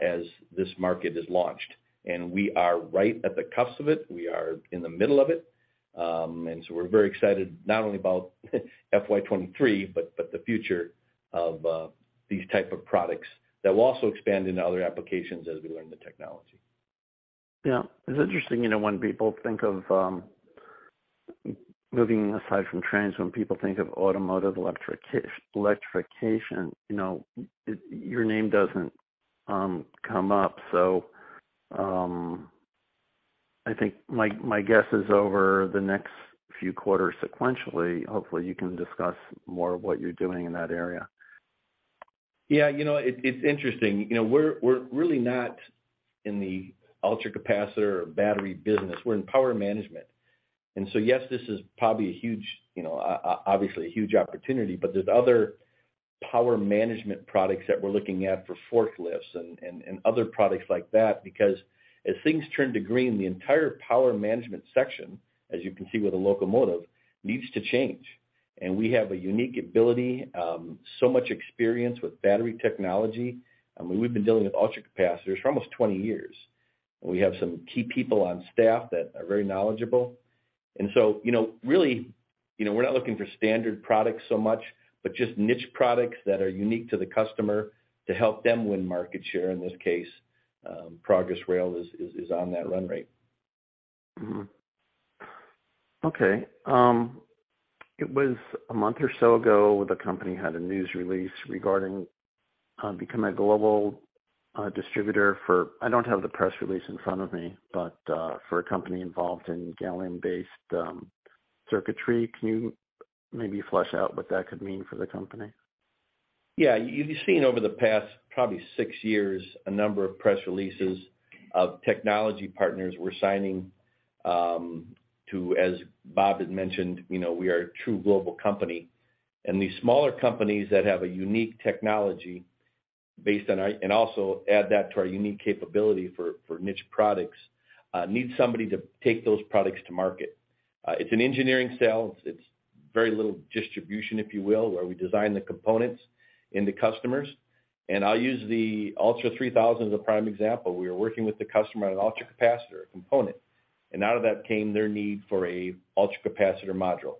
S4: as this market is launched. We are right at the cusp of it. We are in the middle of it. We're very excited not only about FY 23, but the future of these types of products that will also expand into other applications as we learn the technology.
S10: Yeah. It's interesting, you know, when people think of looking aside from trends, when people think of automotive electrification, you know, it, your name doesn't come up. I think my guess is over the next few quarters sequentially, hopefully you can discuss more of what you're doing in that area.
S4: Yeah. You know, it's interesting. You know, we're really not in the ultracapacitor or battery business. We're in power management. Yes, this is probably a huge, obviously a huge opportunity, but there's other power management products that we're looking at for forklifts and other products like that. Because as things turn to green, the entire power management section, as you can see with a locomotive, needs to change. We have a unique ability, so much experience with battery technology. I mean, we've been dealing with ultracapacitors for almost 20 years. We have some key people on staff that are very knowledgeable. You know, really, you know, we're not looking for standard products so much, but just niche products that are unique to the customer to help them win market share. In this case, Progress Rail is on that run rate.
S10: Okay. It was a month or so ago, the company had a news release regarding become a global distributor for, I don't have the press release in front of me, but for a company involved in Gallium-based circuitry. Can you maybe flesh out what that could mean for the company?
S4: You've seen over the past probably six years a number of press releases of technology partners we're signing to, as Bob had mentioned, you know, we are a true global company. These smaller companies that have a unique technology based on our and also add that to our unique capability for niche products, need somebody to take those products to market. It's an engineering sale. It's very little distribution, if you will, where we design the components in the customers. I'll use the ULTRA3000 as a prime example. We were working with the customer on an ultracapacitor component, and out of that came their need for a ultracapacitor module.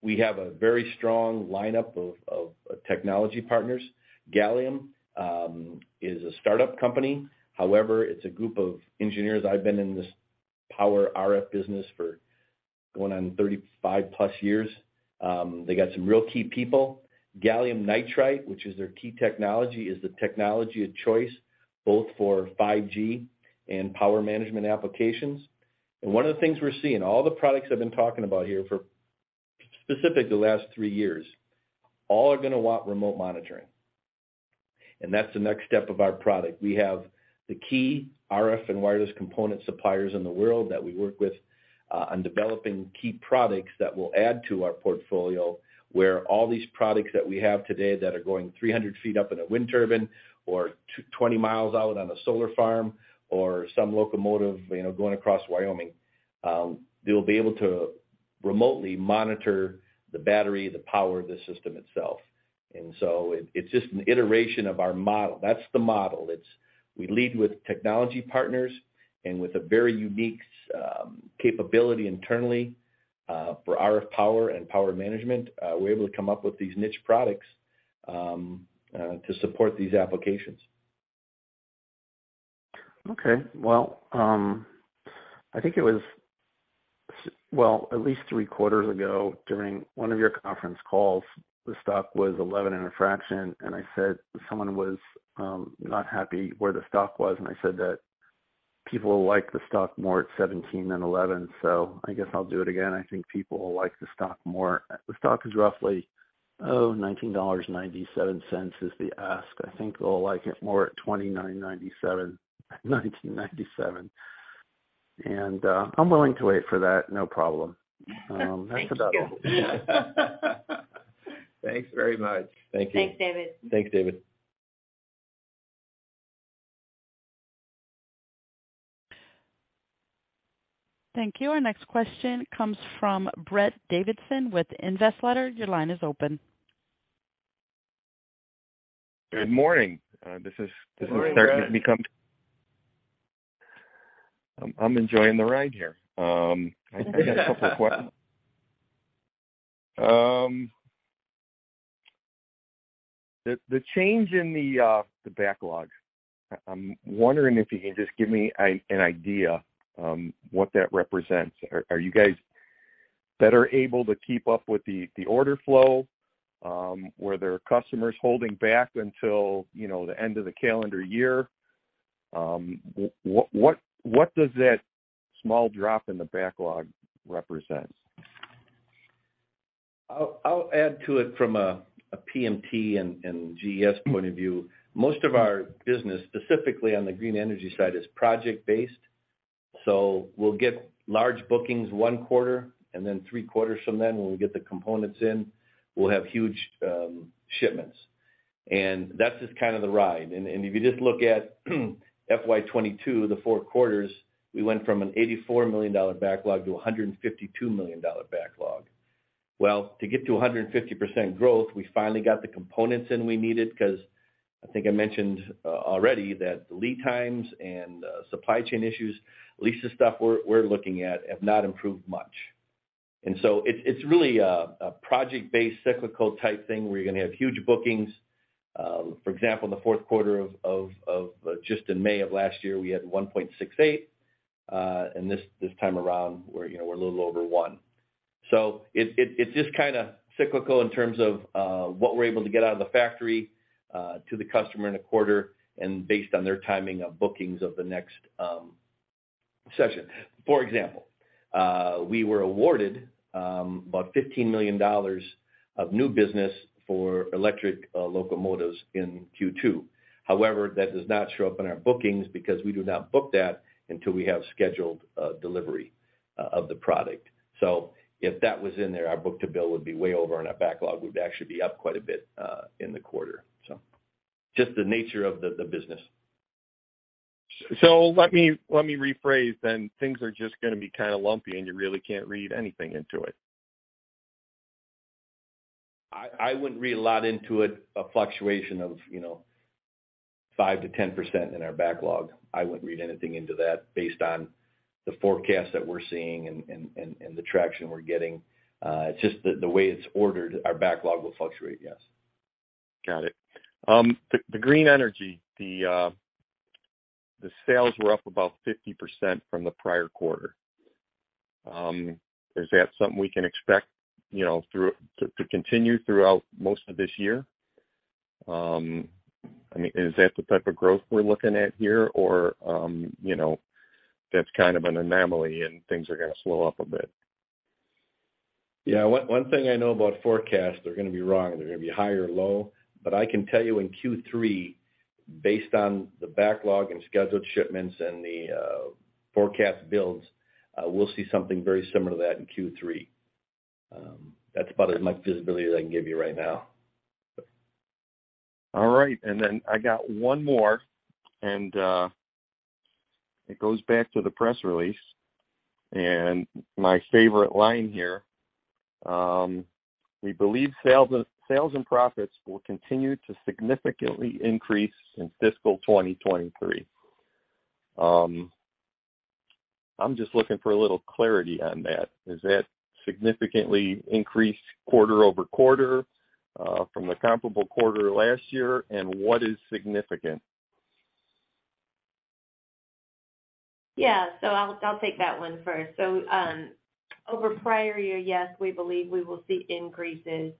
S4: We have a very strong lineup of technology partners. Gallium is a startup company. However, it's a group of engineers. I've been in this power RF business for going on 35 plus years. They got some real key people. Gallium nitride, which is their key technology, is the technology of choice both for 5G and power management applications. One of the things we're seeing, all the products I've been talking about here for specific the last three years, all are gonna want remote monitoring. That's the next step of our product. We have the key RF and wireless component suppliers in the world that we work with on developing key products that will add to our portfolio, where all these products that we have today that are going 300 ft up in a wind turbine or 20 miles out on a solar farm or some locomotive, you know, going across Wyoming, they'll be able to remotely monitor the battery, the power, the system itself. It's just an iteration of our model. That's the model. It's, we lead with technology partners and with a very unique capability internally for RF power and power management. We're able to come up with these niche products to support these applications.
S10: Okay. Well, at least three quarters ago during one of your conference calls, the stock was 11 and a fraction, and I said someone was not happy where the stock was, and I said that people will like the stock more at 17 than 11. I guess I'll do it again. I think people will like the stock more. The stock is roughly $19.97 is the ask. I think they'll like it more at $29.97, $19.97. I'm willing to wait for that, no problem.
S5: Thank you.
S10: That's about all. Thanks very much.
S4: Thank you.
S5: Thanks, David.
S4: Thanks, David.
S1: Thank you. Our next question comes from Brett Davidson with Investletter. Your line is open.
S11: Good morning.
S4: Good morning.
S11: Starting to become. I'm enjoying the ride here. I have a couple questions. The change in the backlog. I'm wondering if you can just give me an idea what that represents. Are you guys better able to keep up with the order flow? Were there customers holding back until, you know, the end of the calendar year? What does that small drop in the backlog represent?
S4: I'll add to it from a PMT and GES point of view. Most of our business, specifically on the green energy side, is project-based. We'll get large bookings one quarter, then three quarters from then, when we get the components in, we'll have huge shipments. That's just kind of the ride. If you just look at FY 2022, the four quarters, we went from an $84 million backlog to a $152 million backlog. Well, to get to 150% growth, we finally got the components in we needed because I think I mentioned already that the lead times and supply chain issues, at least the stuff we're looking at, have not improved much. It's really a project-based, cyclical type thing where you're gonna have huge bookings. For example, in the fourth quarter just in May of last year, we had 1.68. This time around we're, you know, we're a little over one. It's just kind of cyclical in terms of what we're able to get out of the factory to the customer in a quarter and based on their timing of bookings of the next session. For example, we were awarded about $15 million of new business for electric locomotives in Q2. However, that does not show up in our bookings because we do not book that until we have scheduled delivery of the product. If that was in there, our book to bill would be way over and our backlog would actually be up quite a bit in the quarter. Just the nature of the business.
S11: Let me rephrase then. Things are just gonna be kinda lumpy, and you really can't read anything into it?
S4: I wouldn't read a lot into it. A fluctuation of, you know, 5%-10% in our backlog. I wouldn't read anything into that based on the forecast that we're seeing and the traction we're getting. It's just the way it's ordered, our backlog will fluctuate, yes.
S11: Got it. The Green Energy sales were up about 50% from the prior quarter. Is that something we can expect, you know, to continue throughout most of this year? I mean, is that the type of growth we're looking at here? Or, you know, that's kind of an anomaly and things are gonna slow up a bit?
S4: Yeah. One thing I know about forecasts, they're gonna be wrong, they're gonna be high or low. I can tell you in Q3, based on the backlog and scheduled shipments and the forecast builds, we'll see something very similar to that in Q3. That's about as much visibility as I can give you right now.
S11: All right. I got one more, and it goes back to the press release and my favorite line here. We believe sales and profits will continue to significantly increase in fiscal 2023. I'm just looking for a little clarity on that. Is that significantly increased quarter-over-quarter from the comparable quarter last year? What is significant?
S5: Yeah. I'll take that one first. Over prior year, yes, we believe we will see increases,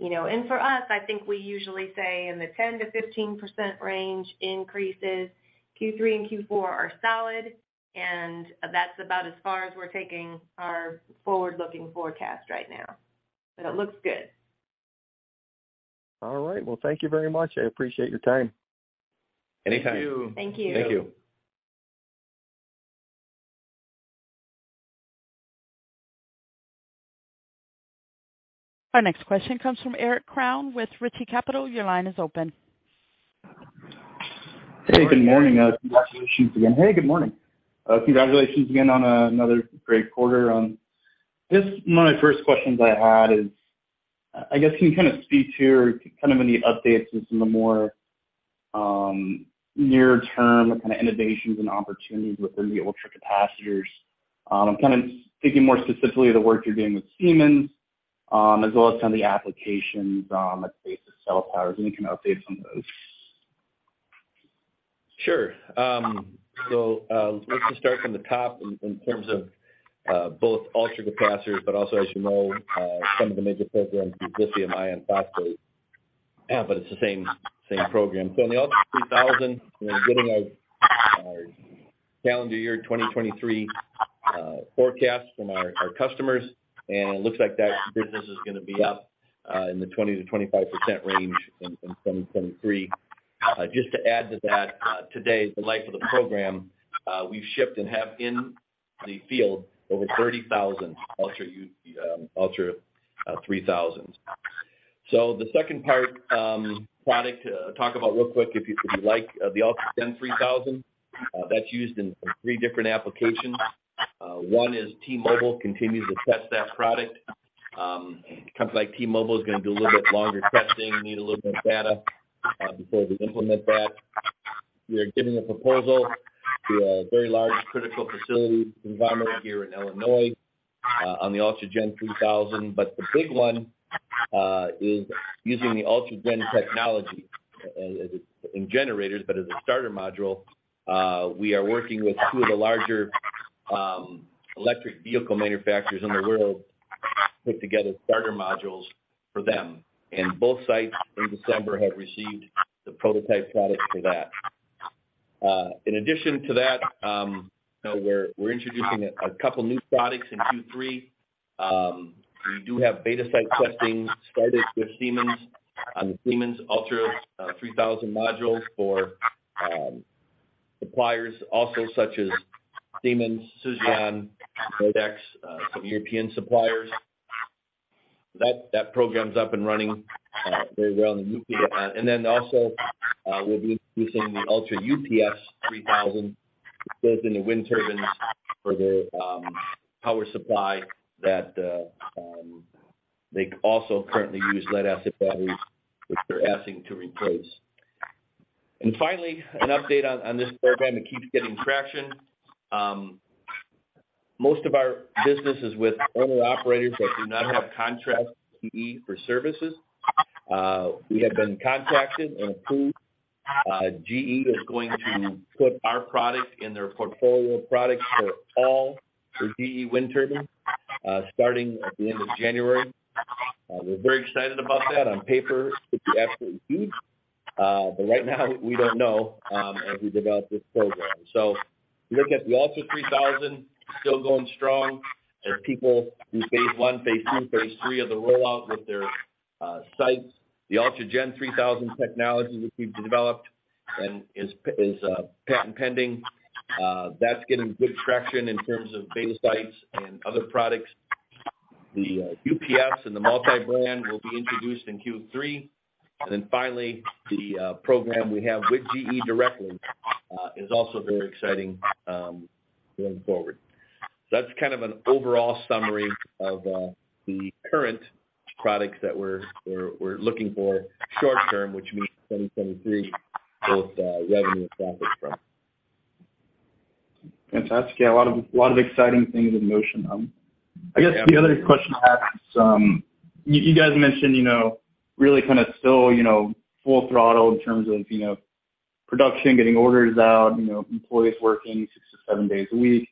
S5: you know. For us, I think we usually say in the 10%-15% range increases. Q3 and Q4 are solid, and that's about as far as we're taking our forward-looking forecast right now. It looks good.
S11: All right. Well, thank you very much. I appreciate your time.
S4: Anytime.
S5: Thank you.
S11: Thank you.
S5: Thank you.
S1: Our next question comes from Eric Crown with Ritchie Capital. Your line is open.
S12: Hey, good morning. Congratulations again on another great quarter. Just one of my first questions I had is, I guess can you kinda speak to or kind of any updates on some of the more near-term kind of innovations and opportunities within the ultracapacitors? I'm kinda thinking more specifically the work you're doing with Siemens, as well as some of the applications, let's say for cell towers, and you can update some of those.
S4: Sure. Let me start from the top in terms of both ultracapacitors, but also, as you know, some of the major programs use lithium iron phosphate, but it's the same program. On the ULTRA3000, you know, getting our calendar year 2023 forecast from our customers, and it looks like that business is gonna be up in the 20%-25% range in 2023. Just to add to that, today, the life of the program, we've shipped and have in the field over 30,000 ULTRA3000s. The second part, product, talk about real quick, if you like, the UltraGen3000, that's used in three different applications. One is T-Mobile continues to test that product. Companies like T-Mobile is gonna do a little bit longer testing, need a little bit of data before we implement that. We are giving a proposal to a very large critical facility environment here in Illinois on the UltraGen3000. The big one is using the UltraGen technology in generators, but as a starter module. We are working with two of the larger electric vehicle manufacturers in the world to put together starter modules for them. Both sites in December have received the prototype products for that. In addition to that, you know, we're introducing a couple new products in Q3. We do have beta site testing started with Siemens on the Siemens ULTRA3000 modules for suppliers also such as Siemens, Suzlon, Nordex, some European suppliers. That program's up and running very well in the nuclear. Also, we'll be introducing the ULTRAUPS3000 that goes into wind turbines for the power supply that they also currently use lead-acid batteries, which they're asking to replace. Finally, an update on this program that keeps getting traction. Most of our business is with owner operators that do not have contracts with GE for services. We have been contacted and approved. GE is going to put our product in their portfolio of products for all the GE wind turbines, starting at the end of January. We're very excited about that. On paper, it could be absolutely huge. Right now, we don't know as we develop this program. If you look at the ULTRA3000, still going strong. There are people through phase one, phase two, phase three of the rollout with their sites. The UltraGen3000 technology, which we've developed and is patent pending, that's getting good traction in terms of beta sites and other products. The UPS and the multi-brand will be introduced in Q3. Finally, the program we have with GE directly is also very exciting going forward. That's kind of an overall summary of the current products that we're looking for short term, which means 2023, both revenue and profit from.
S12: Fantastic. Yeah, a lot of exciting things in motion. I guess the other question I have is, you guys mentioned, you know, really kind of still, you know, full throttle in terms of, you know, production, getting orders out, you know, employees working six to seven days a week.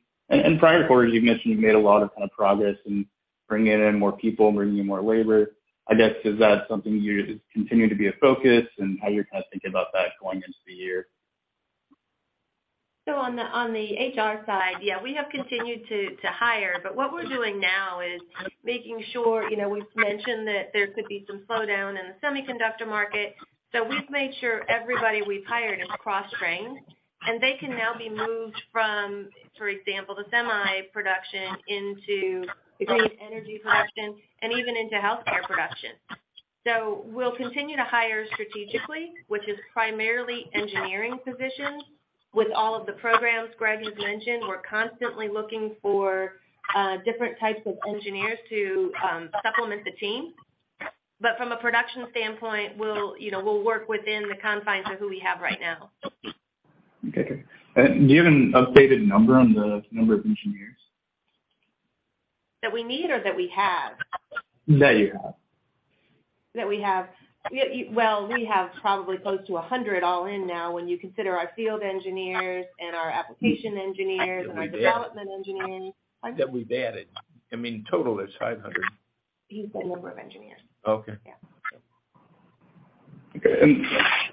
S12: Prior quarters, you've mentioned you've made a lot of kind of progress in bringing in more people and bringing in more labor. I guess, is that something you continue to be a focus and how [your cost] thinking about that going into the year?
S5: On the, on the HR side, yeah, we have continued to hire. What we're doing now is making sure, you know, we've mentioned that there could be some slowdown in the semiconductor market. We've made sure everybody we've hired is cross-trained, and they can now be moved from, for example, the semi production into the clean energy production and even into healthcare production. We'll continue to hire strategically, which is primarily engineering positions. With all of the programs Greg has mentioned, we're constantly looking for different types of engineers to supplement the team. From a production standpoint, we'll, you know, work within the confines of who we have right now.
S12: Okay. Do you have an updated number on the number of engineers?
S5: That we need or that we have?
S12: That you have.
S5: We have. Well, we have probably close to 100 all in now when you consider our field engineers and our application engineers and our development engineers.
S4: That we've added.
S5: Pardon?
S4: That we've added. I mean, total is $500.
S5: He's the number of engineers.
S4: Okay.
S5: Yeah.
S12: Okay.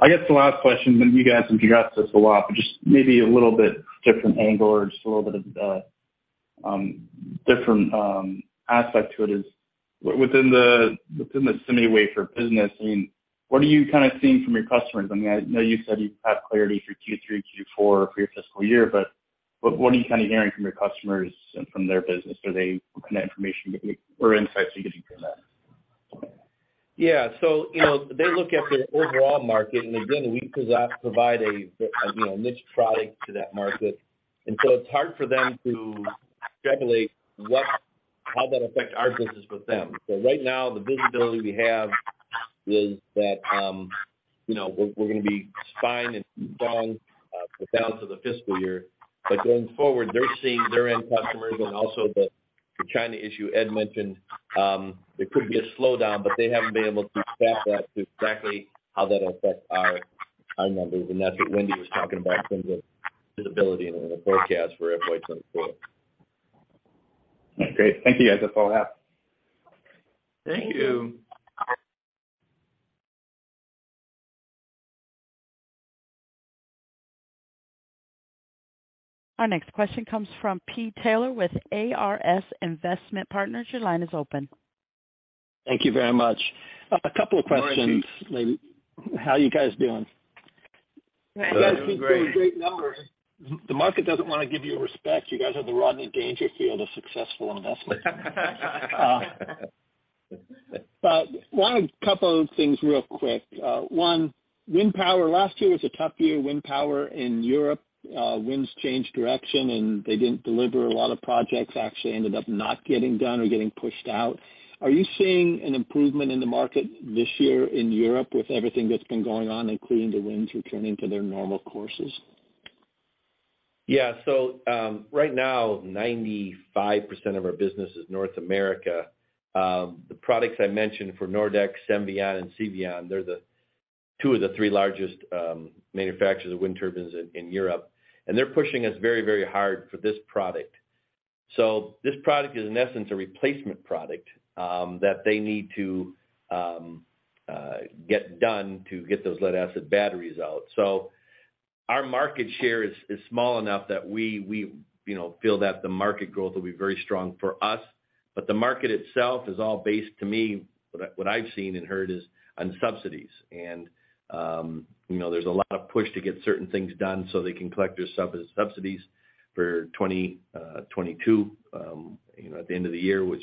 S12: I guess the last question, and you guys have addressed this a lot, but just maybe a little bit different angle or just a little bit of different aspect to it is within the semi wafer business, I mean, what are you kind of seeing from your customers? I mean, I know you said you have clarity through Q3, Q4 for your fiscal year, but what are you kind of hearing from your customers and from their business? What kind of information or insights are you getting from that?
S4: You know, they look at the overall market, and again, we provide a, you know, niche product to that market. It's hard for them to calculate what how that affect our business with them. Right now, the visibility we have is that, you know, we're gonna be fine and strong for the balance of the fiscal year. Going forward, they're seeing their end customers and also the China issue Ed mentioned, there could be a slowdown, but they haven't been able to stack that to exactly how that affects our numbers. That's what Wendy was talking about in terms of visibility and the forecast for FY 2024.
S12: Great. Thank you, guys. That's all I have.
S4: Thank you.
S5: Thank you.
S1: Our next question comes from P. Taylor with ARS Investment Partners. Your line is open.
S13: Thank you very much. A couple of questions.
S4: Morning, Pete.
S13: How are you guys doing? You guys keep doing great numbers. The market doesn't want to give you respect. You guys are the Rodney Dangerfield of successful investments. Want a couple of things real quick. One, wind power. Last year was a tough year, wind power in Europe, winds changed direction, and they didn't deliver. A lot of projects actually ended up not getting done or getting pushed out. Are you seeing an improvement in the market this year in Europe with everything that's been going on, including the winds returning to their normal courses?
S4: Right now, 95% of our business is North America. The products I mentioned for Nordex, Senvion, and [CVion], they're the two of the three largest manufacturers of wind turbines in Europe. They're pushing us very, very hard for this product. This product is, in essence, a replacement product that they need to get done to get those lead-acid batteries out. Our market share is small enough that we, you know, feel that the market growth will be very strong for us. The market itself is all based, to me, what I, what I've seen and heard, is on subsidies. You know, there's a lot of push to get certain things done so they can collect their subsidies for 2022, you know, at the end of the year, which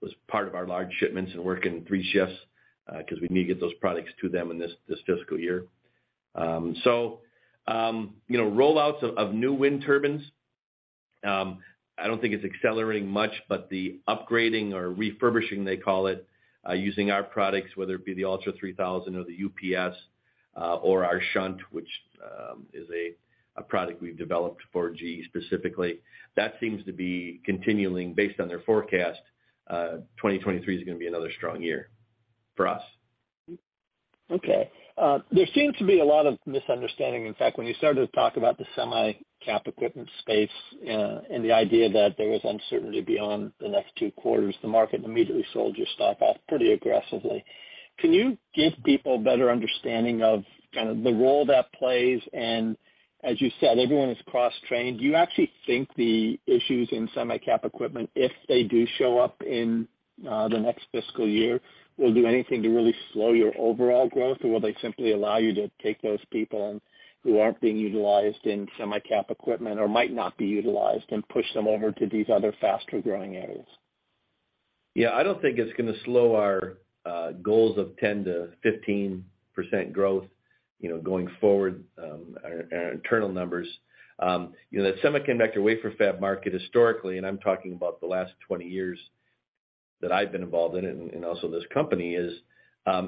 S4: was part of our large shipments and working three shifts, because we need to get those products to them in this fiscal year. You know, rollouts of new wind turbines, I don't think it's accelerating much, but the upgrading or refurbishing, they call it, using our products, whether it be the ULTRA3000 or the UPS, or our Shunt, which is a product we've developed for GE specifically. That seems to be continuing based on their forecast, 2023 is gonna be another strong year for us.
S13: Okay. There seems to be a lot of misunderstanding. In fact, when you started to talk about the semi-cap equipment space, and the idea that there was uncertainty beyond the next two quarters, the market immediately sold your stock off pretty aggressively. Can you give people better understanding of kind of the role that plays? As you said, everyone is cross-trained. Do you actually think the issues in semi-cap equipment, if they do show up in, the next fiscal year, will do anything to really slow your overall growth, or will they simply allow you to take those people and, who aren't being utilized in semi-cap equipment or might not be utilized and push them over to these other faster-growing areas?
S4: Yeah. I don't think it's gonna slow our goals of 10%-15% growth, you know, going forward, our internal numbers. You know that semiconductor wafer fab market historically, and I'm talking about the last 20 years that I've been involved in and also this company is,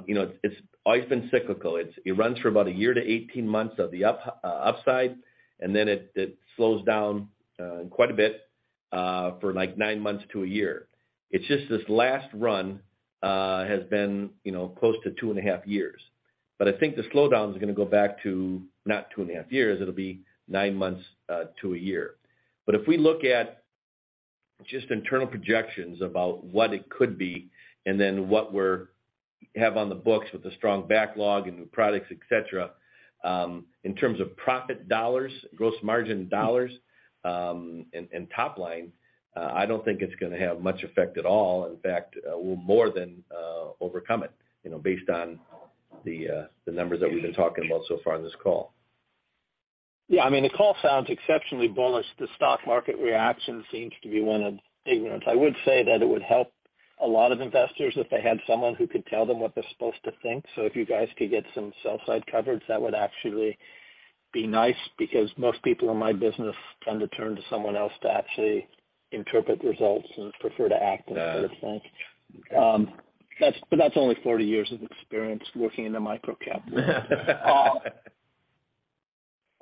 S4: you know, it's always been cyclical. It runs for about a year to 18 months of the upside, and then it slows down quite a bit for like nine months to a year. It's just this last run has been, you know, close to two and a half years. I think the slowdown is gonna go back to not two and a half years. It'll be nine months to a year. If we look at just internal projections about what it could be and then what we're have on the books with a strong backlog and new products, et cetera, in terms of profit dollars, gross margin dollars, and top line, I don't think it's going to have much effect at all. In fact, we will more than overcome it, you know, based on the numbers that we've been talking about so far in this call.
S13: Yeah. I mean, the call sounds exceptionally bullish. The stock market reaction seems to be one of ignorance. I would say that it would help a lot of investors if they had someone who could tell them what they're supposed to think. If you guys could get some sell-side coverage, that would actually be nice because most people in my business tend to turn to someone else to actually interpret results and prefer to act instead of think. That's, but that's only 40 years of experience working in the microcap world.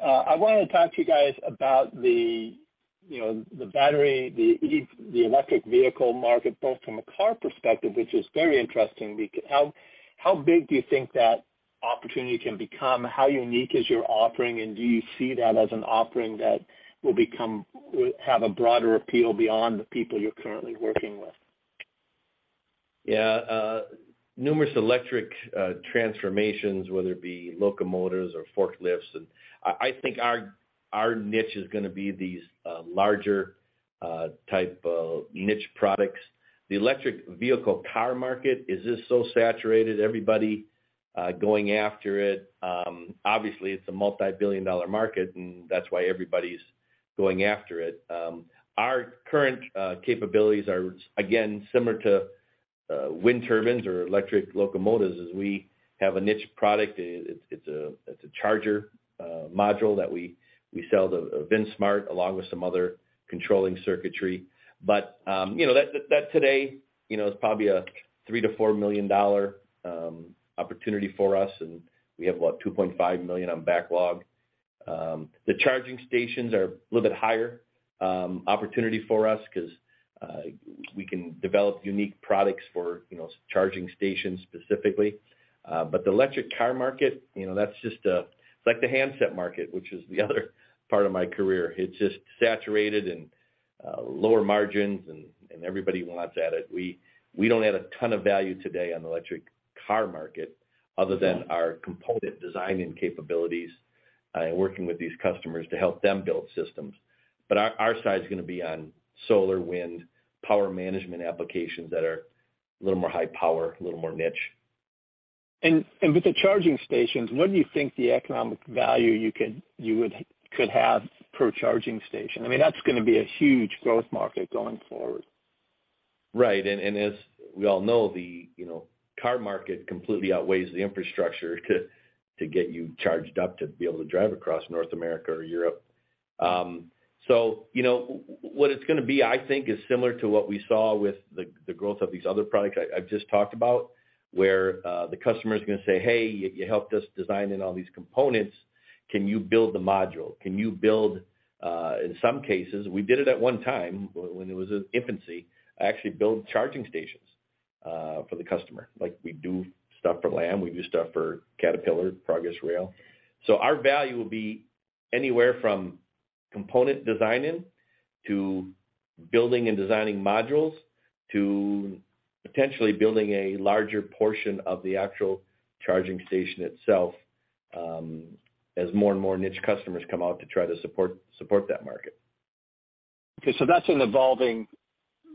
S13: I wanna talk to you guys about the, you know, the battery, the EV, the electric vehicle market, both from a car perspective, which is very interesting. How big do you think that opportunity can become? How unique is your offering, and do you see that as an offering that will have a broader appeal beyond the people you're currently working with?
S4: Yeah. Numerous electric transformations, whether it be locomotives or forklifts. I think our niche is gonna be these larger type of niche products. The electric vehicle car market is just so saturated, everybody going after it. Obviously, it's a multi-billion-dollar market, and that's why everybody's going after it. Our current capabilities are, again, similar to wind turbines or electric locomotives, as we have a niche product. It's a charger module that we sell to Vinsmart, along with some other controlling circuitry. You know, that today, you know, is probably a $3 million-$4 million opportunity for us, and we have about $2.5 million on backlog. The charging stations are a little bit higher opportunity for us. We can develop unique products for charging stations specifically. The electric car market, that's just. It's like the handset market, which is the other part of my career. It's just saturated and lower margins, and everybody wants at it. We don't add a ton of value today on the electric car market other than our component designing capabilities and working with these customers to help them build systems. Our side is gonna be on solar, wind, power management applications that are a little more high power, a little more niche.
S13: With the charging stations, what do you think the economic value could have per charging station? I mean, that's gonna be a huge growth market going forward.
S4: Right. As we all know, the car market completely outweighs the infrastructure to get you charged up to be able to drive across North America or Europe. What it's gonna be, I think, is similar to what we saw with the growth of these other products I've just talked about, where the customer's gonna say, "Hey, you helped us design in all these components, can you build the module? Can you build..." In some cases, we did it at one time when it was in infancy, actually build charging stations for the customer, like we do stuff for LAM, we do stuff for Caterpillar, Progress Rail. Our value will be anywhere from component designing to building and designing modules, to potentially building a larger portion of the actual charging station itself, as more and more niche customers come out to try to support that market.
S13: That's an evolving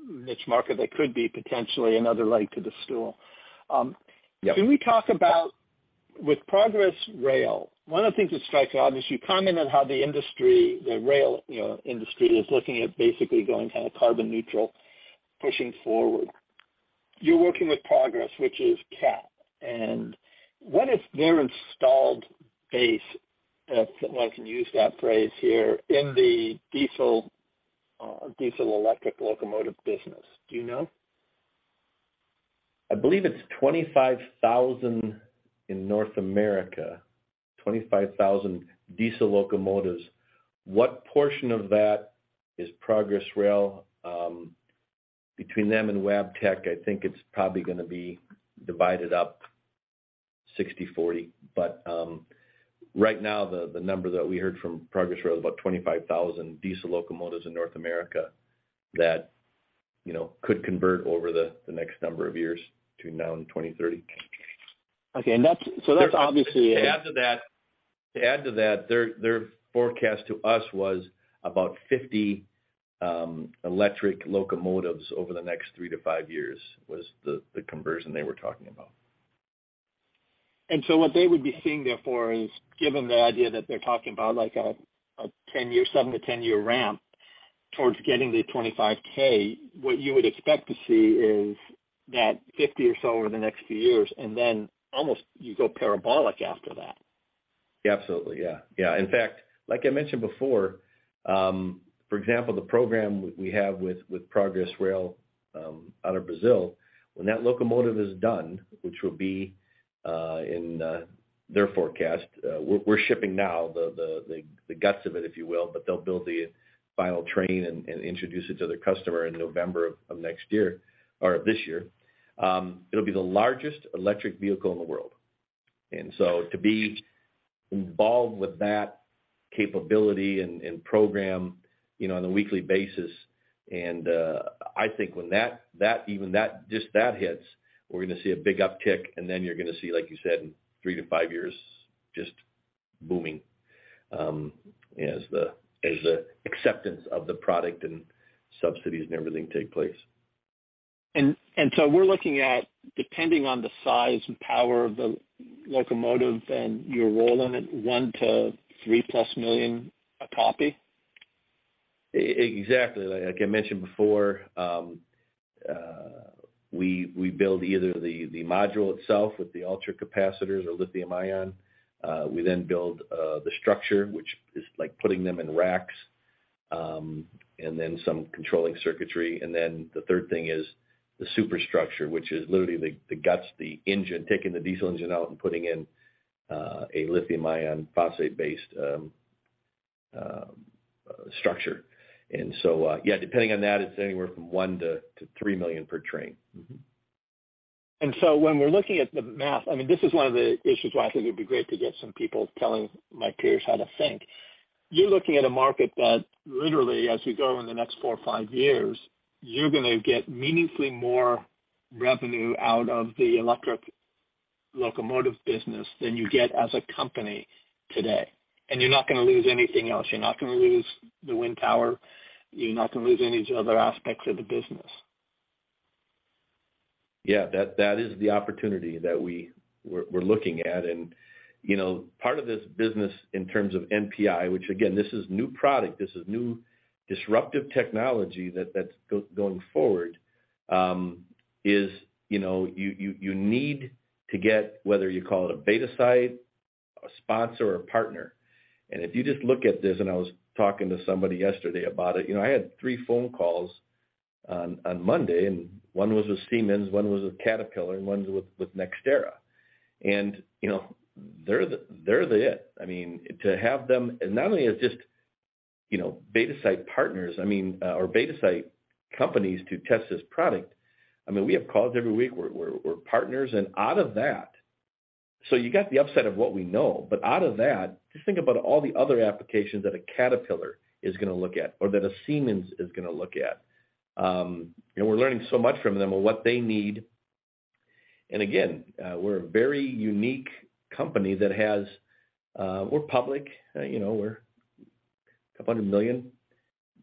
S13: niche market that could be potentially another leg to the stool.
S4: Yeah.
S13: Can we talk about with Progress Rail, one of the things that strikes obvious, you commented how the industry, the rail, you know, industry is looking at basically going kind of carbon neutral pushing forward? You're working with Progress, which is Cat, and what is their installed base, if one can use that phrase here, in the diesel electric locomotive business? Do you know?
S4: I believe it's 25,000 in North America, 25,000 diesel locomotives. What portion of that is Progress Rail? Between them and Wabtec, I think it's probably gonna be divided up 60/40. Right now, the number that we heard from Progress Rail is about 25,000 diesel locomotives in North America that, you know, could convert over the next number of years between now and 2030.
S13: Okay. That's obviously.
S4: To add to that, their forecast to us was about 50 electric locomotives over the next three to five years, was the conversion they were talking about.
S13: What they would be seeing therefore is, given the idea that they're talking about like a 10-year, seven to ten-year ramp towards getting to 25K, what you would expect to see is that 50 or so over the next few years, and then almost you go parabolic after that.
S4: Absolutely. Yeah. Yeah. In fact, like I mentioned before, for example, the program we have with Progress Rail out of Brazil, when that locomotive is done, which will be in their forecast, we're shipping now, the guts of it, if you will, but they'll build the final train and introduce it to their customer in November of next year or this year. It'll be the largest electric vehicle in the world. To be involved with that capability and program, you know, on a weekly basis, I think when that hits, we're gonna see a big uptick, then you're gonna see, like you said, in three to five years, just booming, as the acceptance of the product and subsidies and everything take place.
S13: So, we're looking at, depending on the size and power of the locomotive and your role in it, $1 million-$3 million plus a copy?
S4: Exactly. Like I mentioned before, we build either the module itself with the ultracapacitors or lithium-ion. We then build the structure, which is like putting them in racks, and then some controlling circuitry. The third thing is the superstructure, which is literally the guts, the engine, taking the diesel engine out and putting in a lithium-ion phosphate-based structure. Yeah, depending on that, it's anywhere from $1 million-$3 million per train. Mm-hmm.
S13: When we're looking at the math, I mean, this is one of the issues why I think it'd be great to get some people telling my peers how to think. You're looking at a market that literally, as you go in the next four or five years, you're gonna get meaningfully more revenue out of the electric locomotive business than you get as a company today. You're not gonna lose anything else. You're not gonna lose the wind tower, you're not gonna lose any other aspects of the business.
S4: Yeah. That is the opportunity that we're looking at. You know, part of this business in terms of NPI, which again, this is new product, this is new disruptive technology that's going forward, is, you know, you need to get, whether you call it a beta site, a sponsor, or a partner. If you just look at this, and I was talking to somebody yesterday about it, you know, I had three phone calls on Monday, and one was with Siemens, one was with Caterpillar, and ones with NextEra. You know, they're the, they're it. I mean, to have them, and not only as just, you know, beta site partners, I mean, or beta site companies to test this product. I mean, we have calls every week. We're partners, and out of that. You got the upset of what we know, but out of that, just think about all the other applications that a Caterpillar is gonna look at or that a Siemens is gonna look at. You know, we're learning so much from them on what they need. Again, we're a very unique company, we're public, you know, we're a [couple of] million,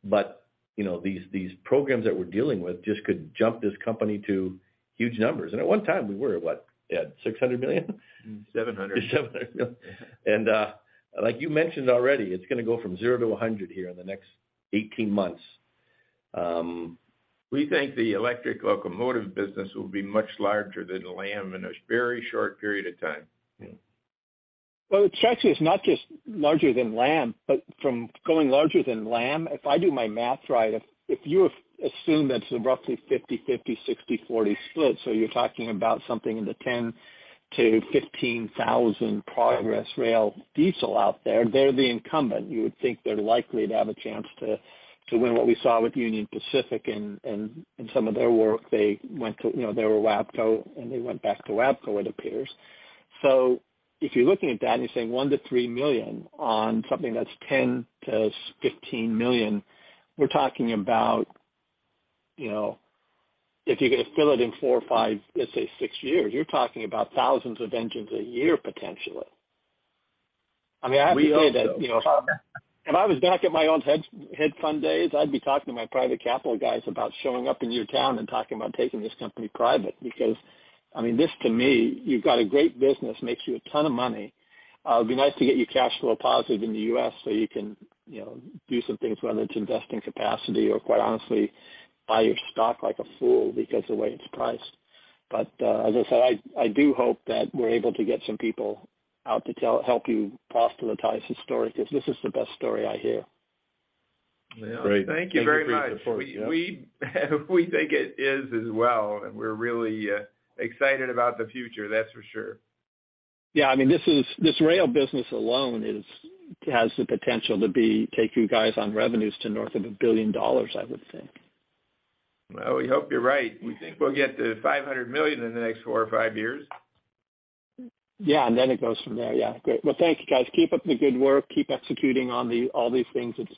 S4: but, you know, these programs that we're dealing with just could jump this company to huge numbers. At one time we were what, Ed? $600 million?
S2: $700.
S4: $700 million. Like you mentioned already, it's gonna go from zero to 100 here in the next 18 months.
S2: We think the electric locomotive business will be much larger than LAM in a very short period of time.
S4: Yeah.
S13: Well, it's actually it's not just larger than LAM, but from going larger than LAM, if I do my math right, if you assume that it's a roughly 50/50, 60/40 split, you're talking about something in the 10,000-15,000 Progress Rail diesel out there, they're the incumbent. You would think they're likely to have a chance to win what we saw with Union Pacific and some of their work, they went to, you know, they were WABCO, and they went back to WABCO, it appears. If you're looking at that and you're saying $1 million-$3 million on something that's $10 million-$15 million, we're talking about, you know, if you could fill it in four or five, let's say six years, you're talking about thousands of engines a year, potentially. I mean, I have to say that, you know.
S4: We hope so.
S13: If I was back at my own hedge fund days, I'd be talking to my private capital guys about showing up in your town and talking about taking this company private. I mean, this, to me, you've got a great business, makes you a ton of money. It'd be nice to get you cash flow positive in the U.S. so you can, you know, do some things, whether it's invest in capacity or quite honestly, buy your stock like a fool because the way it's priced. As I said, I do hope that we're able to get some people out to help you proselytize this story, 'cause this is the best story I hear.
S4: Great.
S2: Thank you very much.
S4: Thank you for your support. Yeah.
S2: We think it is as well, and we're really excited about the future, that's for sure.
S13: Yeah, I mean, this rail business alone has the potential to take you guys on revenues to north of $1 billion, I would think.
S2: Well, we hope you're right. We think we'll get to $500 million in the next four or five years.
S13: Yeah, then it goes from there. Yeah. Great. Well, thank you, guys. Keep up the good work. Keep executing on all these things. It's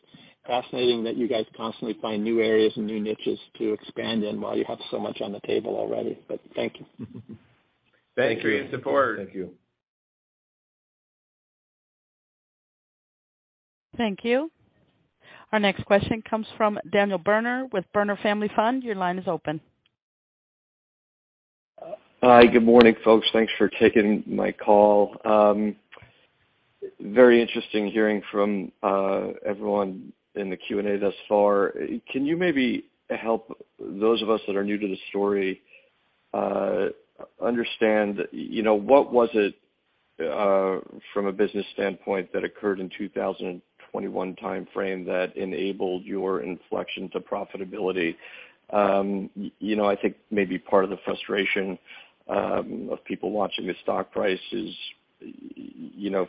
S13: fascinating that you guys constantly find new areas and new niches to expand in while you have so much on the table already. Thank you.
S2: Thank you for your support.
S4: Thank you.
S1: Thank you. Our next question comes from Daniel Berner with Berner Family Fund. Your line is open.
S14: Hi, good morning, folks. Thanks for taking my call. Very interesting hearing from everyone in the Q&A thus far. Can you maybe help those of us that are new to the story, understand, you know, what was it from a business standpoint that occurred in 2021 timeframe that enabled your inflection to profitability? You know, I think maybe part of the frustration of people watching the stock price is, you know,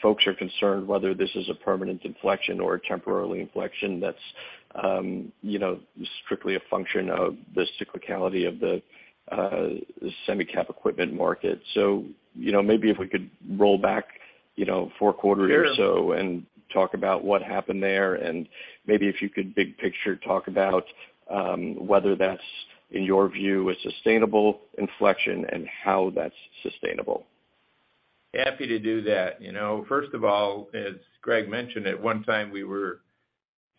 S14: folks are concerned whether this is a permanent inflection or a temporary inflection that's, you know, strictly a function of the cyclicality of the semi-cap equipment market. You know, maybe if we could roll back, you know, four quarters or so.
S2: Sure.
S14: Talk about what happened there. Maybe if you could big picture talk about, whether that's, in your view, a sustainable inflection and how that's sustainable?
S2: Happy to do that. You know, first of all, as Greg mentioned, at one time we were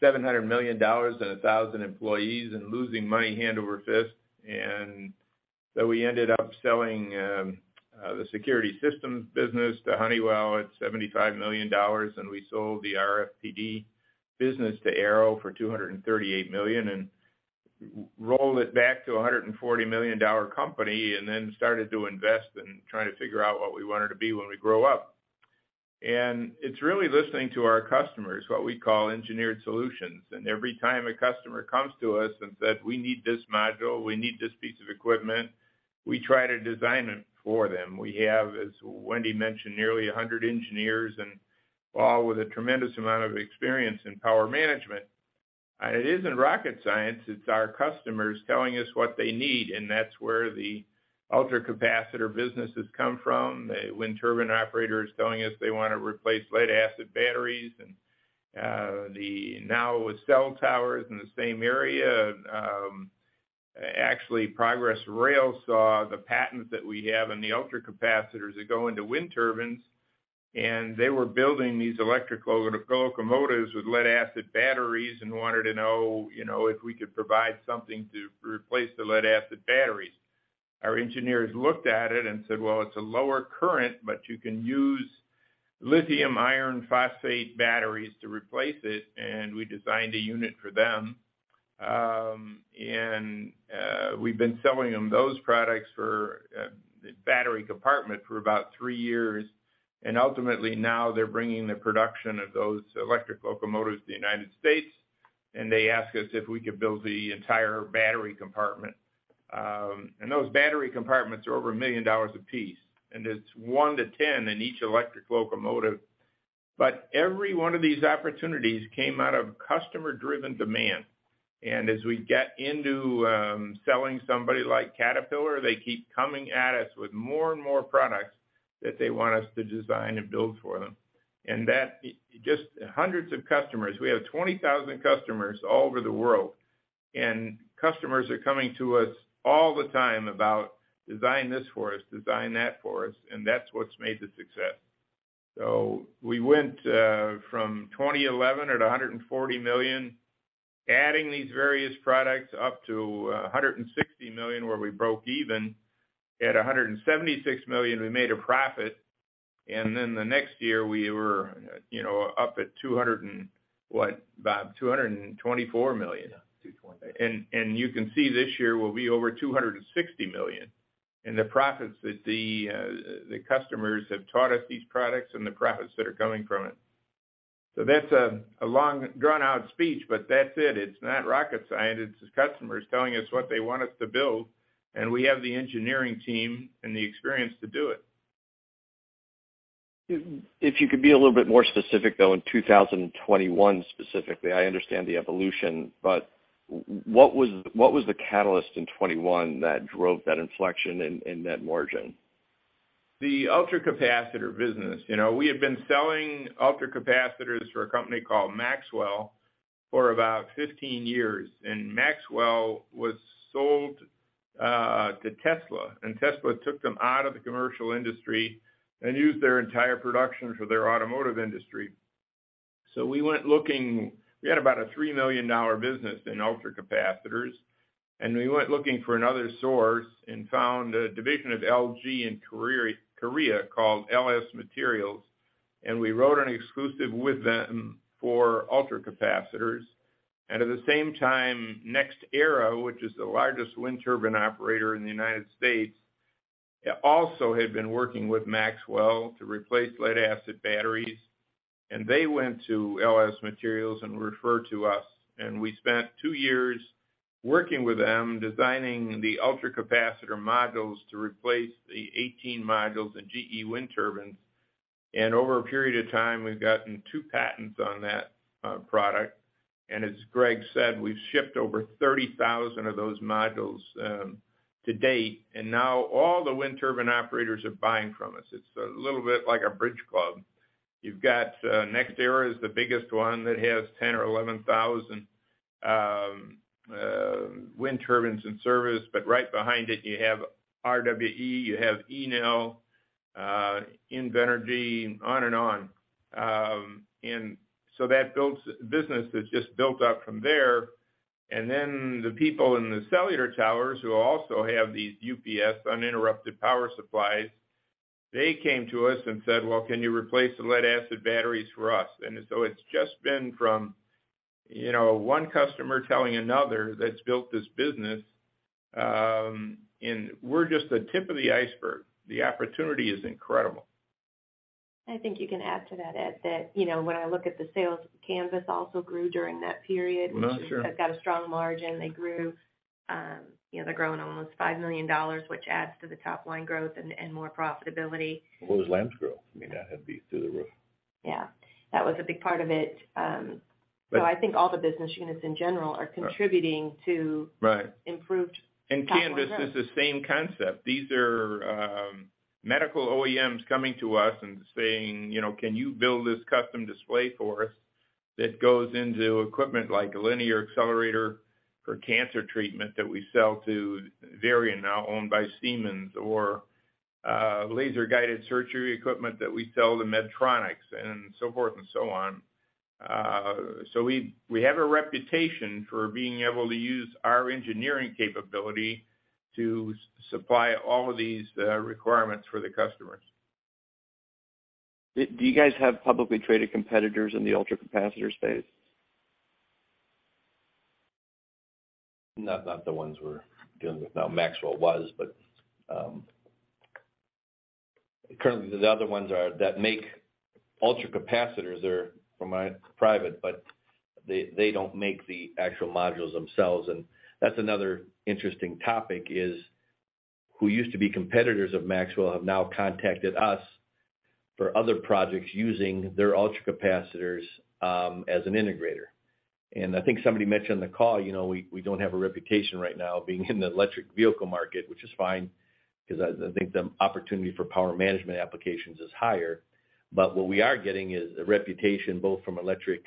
S2: $700 million and 1,000 employees and losing money hand over fist. So, we ended up selling the security systems business to Honeywell at $75 million, we sold the RFPD business to Arrow for $238 million and rolled it back to a $140 million company, then started to invest in trying to figure out what we wanted to be when we grow up. It's really listening to our customers, what we call engineered solutions. Every time a customer comes to us and said, "We need this module. We need this piece of equipment," we try to design it for them. We have, as Wendy mentioned, nearly 100 engineers and all with a tremendous amount of experience in power management. It isn't rocket science, it's our customers telling us what they need, and that's where the ultracapacitor business has come from. The wind turbine operators telling us they wanna replace lead-acid batteries and the now with cell towers in the same area. Actually, Progress Rail saw the patents that we have in the ultracapacitors that go into wind turbines, and they were building these electric locomotives with lead-acid batteries and wanted to know, you know, if we could provide something to replace the lead-acid batteries. Our engineers looked at it and said, "Well, it's a lower current, but you can use lithium iron phosphate batteries to replace it," and we designed a unit for them. We've been selling them those products for battery compartment for about three years. Ultimately, now they're bringing the production of those electric locomotives to the U.S., and they ask us if we could build the entire battery compartment. Those battery compartments are over $1 million a piece, and it's one to 10 in each electric locomotive. Every one of these opportunities came out of customer-driven demand. As we get into selling somebody like Caterpillar, they keep coming at us with more and more products that they want us to design and build for them. Hundreds of customers. We have 20,000 customers all over the world, and customers are coming to us all the time about, "Design this for us, design that for us," and that's what's made the success. We went from 2011 at $140 million, adding these various products up to $160 million, where we broke even. At $176 million, we made a profit. The next year, we were, you know, up at $200 million and what, Bob? $224 million.
S3: Yeah, $220 million
S2: You can see this year we'll be over $260 million. The profits that the customers have taught us these products and the profits that are coming from it. That's a long drawn-out speech, but that's it. It's not rocket science. It's just customers telling us what they want us to build, and we have the engineering team and the experience to do it.
S14: If you could be a little bit more specific, though, in 2021 specifically. I understand the evolution, but what was the catalyst in 2021 that drove that inflection in net margin?
S2: The ultracapacitor business. You know, we had been selling ultracapacitors for a company called Maxwell for about 15 years, and Maxwell was sold to Tesla, and Tesla took them out of the commercial industry and used their entire production for their automotive industry. We had about a $3 million business in ultracapacitors, and we went looking for another source and found a division of LG in Korea called LS Materials, and we wrote an exclusive with them for ultracapacitors. At the same time, NextEra, which is the largest wind turbine operator in the United States, also had been working with Maxwell to replace lead-acid batteries, and they went to LS Materials and referred to us. We spent two years working with them, designing the ultracapacitor modules to replace the 18 modules in GE wind turbines. Over a period of time, we've gotten two patents on that product. As Greg said, we've shipped over 30,000 of those modules to date. Now all the wind turbine operators are buying from us. It's a little bit like a bridge club. You've got NextEra is the biggest one that has 10,000 or 11,000 wind turbines in service. Right behind it, you have RWE, you have Enel, Invenergy, and on and on. That builds business that just built up from there. The people in the cellular towers, who also have these UPS, uninterrupted power supplies, they came to us and said, "Well, can you replace the lead-acid batteries for us?" It's just been from, you know, one customer telling another that's built this business. We're just the tip of the iceberg. The opportunity is incredible.
S5: I think you can add to that, Ed, that, you know, when I look at the sales, Canvys also grew during that period.
S2: Oh, sure.
S5: Which has got a strong margin. They grew, you know, they're growing almost $5 million, which adds to the top line growth and more profitability.
S4: Well, those LAMs grew. I mean, that had beat through the roof.
S5: Yeah. That was a big part of it. I think all the business units in general are contributing.
S4: Right
S5: Improved top line growth.
S2: Canvys is the same concept. These are medical OEMs coming to us and saying, you know, "Can you build this custom display for us?" That goes into equipment like a linear accelerator for cancer treatment that we sell to Varian, now owned by Siemens, or laser-guided surgery equipment that we sell to Medtronic and so forth and so on. We have a reputation for being able to use our engineering capability to supply all of these requirements for the customers.
S14: Do you guys have publicly traded competitors in the ultracapacitor space?
S4: Not the ones we're dealing with, no. Maxwell was, but currently, the other ones are that make ultracapacitors are, from my private, but they don't make the actual modules themselves. That's another interesting topic is, who used to be competitors of Maxwell have now contacted us for other projects using their ultracapacitors as an integrator. I think somebody mentioned on the call, you know, we don't have a reputation right now being in the electric vehicle market, which is fine, 'cause I think the opportunity for power management applications is higher. What we are getting is a reputation, both from electric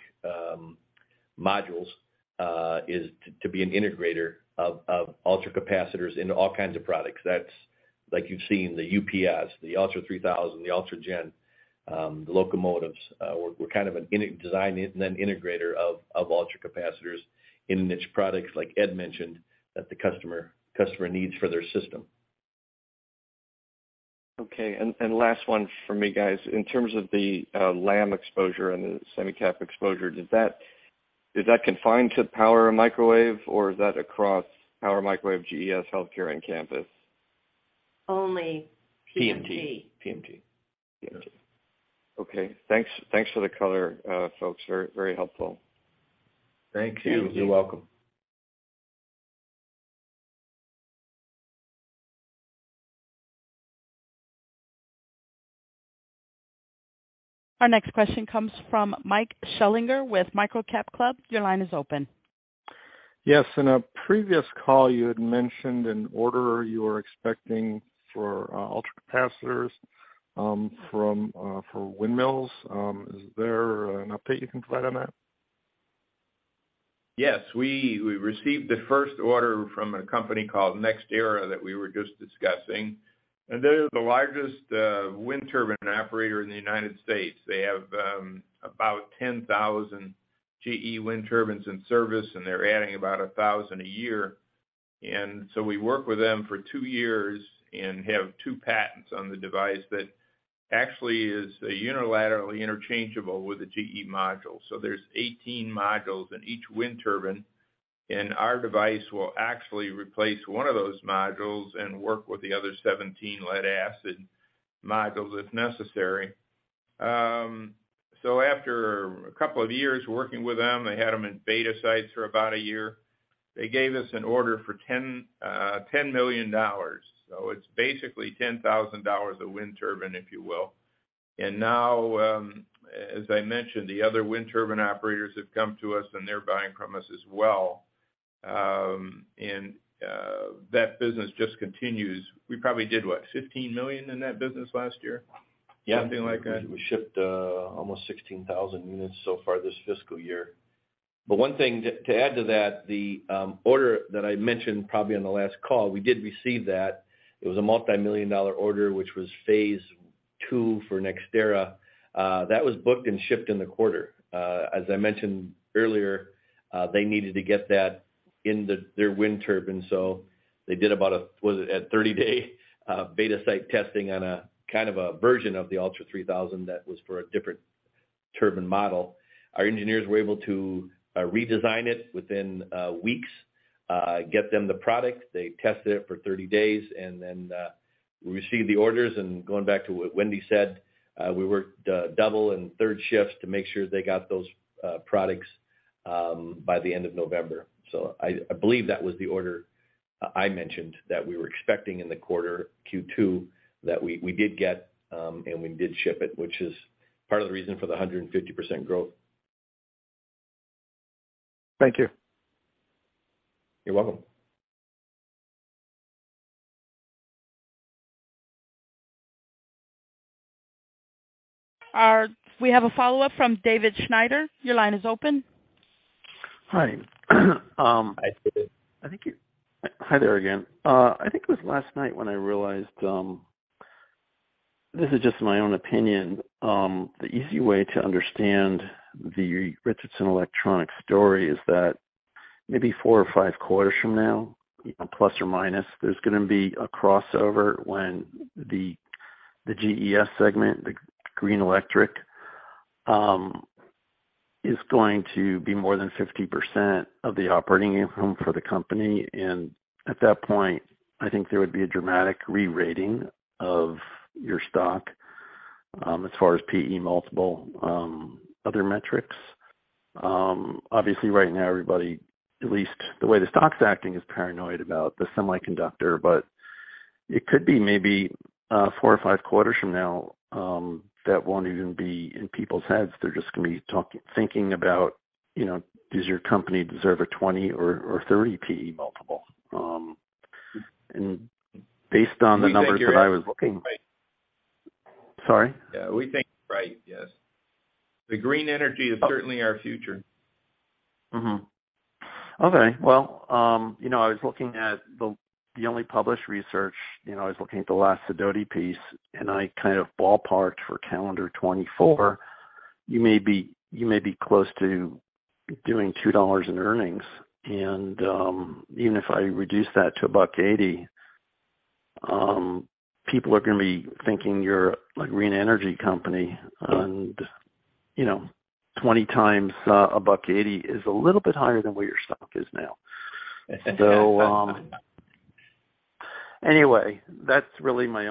S4: modules, is to be an integrator of ultracapacitors into all kinds of products. That's like you've seen, the UPS, the ULTRA3000, the UltraGen3000, the locomotives. We're kind of an in-design and then integrator of ultracapacitors in niche products, like Ed mentioned, that the customer needs for their system.
S14: Okay, last one from me, guys. In terms of the LAM exposure and the semi-cap exposure, is that confined to Power Microwave or is that across Power Microwave, GES, Healthcare, and Canvys?
S5: Only PMT.
S4: PMT.
S14: Okay. Thanks for the color, folks. Very, very helpful.
S4: Thank you. You're welcome.
S1: Our next question comes from Mike Schellinger with MicroCapClub. Your line is open.
S15: Yes. In a previous call, you had mentioned an order you were expecting for ultracapacitors, from for windmills. Is there an update you can provide on that?
S2: Yes. We received the first order from a company called NextEra that we were just discussing. They're the largest wind turbine operator in the U.S. They have about 10,000 GE wind turbines in service, and they're adding about 1,000 a year. We worked with them for two years and have two patents on the device. That actually is unilaterally interchangeable with the GE module. There's 18 modules in each wind turbine, and our device will actually replace one of those modules and work with the other 17 lead acid modules if necessary. After a couple of years working with them, they had them in beta sites for about a year. They gave us an order for $10 million. It's basically $10,000 a wind turbine, if you will. As I mentioned, the other wind turbine operators have come to us, and they're buying from us as well. That business just continues. We probably did, what, $15 million in that business last year?
S4: Yeah.
S2: Something like that.
S4: We shipped almost 16,000 units so far this fiscal year. One thing to add to that, the order that I mentioned probably on the last call, we did receive that. It was a multi-million dollar order, which was phase II for NextEra. That was booked and shipped in the quarter. As I mentioned earlier, they needed to get that in their wind turbine, so they did about a, was it a 30-day beta site testing on a kind of a version of the ULTRA3000 that was for a different turbine model. Our engineers were able to redesign it within weeks, get them the product. They tested it for 30 days and then, we received the orders. Going back to what Wendy said, we worked double and third shifts to make sure they got those products by the end of November. I believe that was the order I mentioned that we were expecting in the quarter Q2 that we did get, and we did ship it, which is part of the reason for the 150% growth.
S15: Thank you.
S4: You're welcome.
S1: We have a follow-up from David Schneider. Your line is open.
S10: Hi.
S4: Hi, David.
S10: Hi there again. I think it was last night when I realized, this is just my own opinion, the easy way to understand the Richardson Electronics story is that maybe four or five quarters from now, plus or minus, there's gonna be a crossover when the GES segment, the green electric, is going to be more than 50% of the operating income for the company. At that point, I think there would be a dramatic re-rating of your stock, as far as PE multiple, other metrics. Obviously, right now everybody, at least the way the stock's acting, is paranoid about the semiconductor, but it could be maybe, four or five quarters from now, that won't even be in people's heads. They're just gonna be thinking about, you know, does your company deserve a 20 or 30 PE multiple? Based on the numbers that I was
S2: We think you're right, yes.
S10: Sorry?
S2: Yeah, we think you're right, yes. The green energy is certainly our future.
S10: Okay. Well, you know, I was looking at the only published research, you know, I was looking at the last Sidoti piece. I kind of ballparked for calendar 2024. You may be, you may be close to doing $2 in earnings. Even if I reduce that to $1.80, people are gonna be thinking you're a green energy company. You know, 20x $1.80 is a little bit higher than what your stock is now. Anyway, that's really my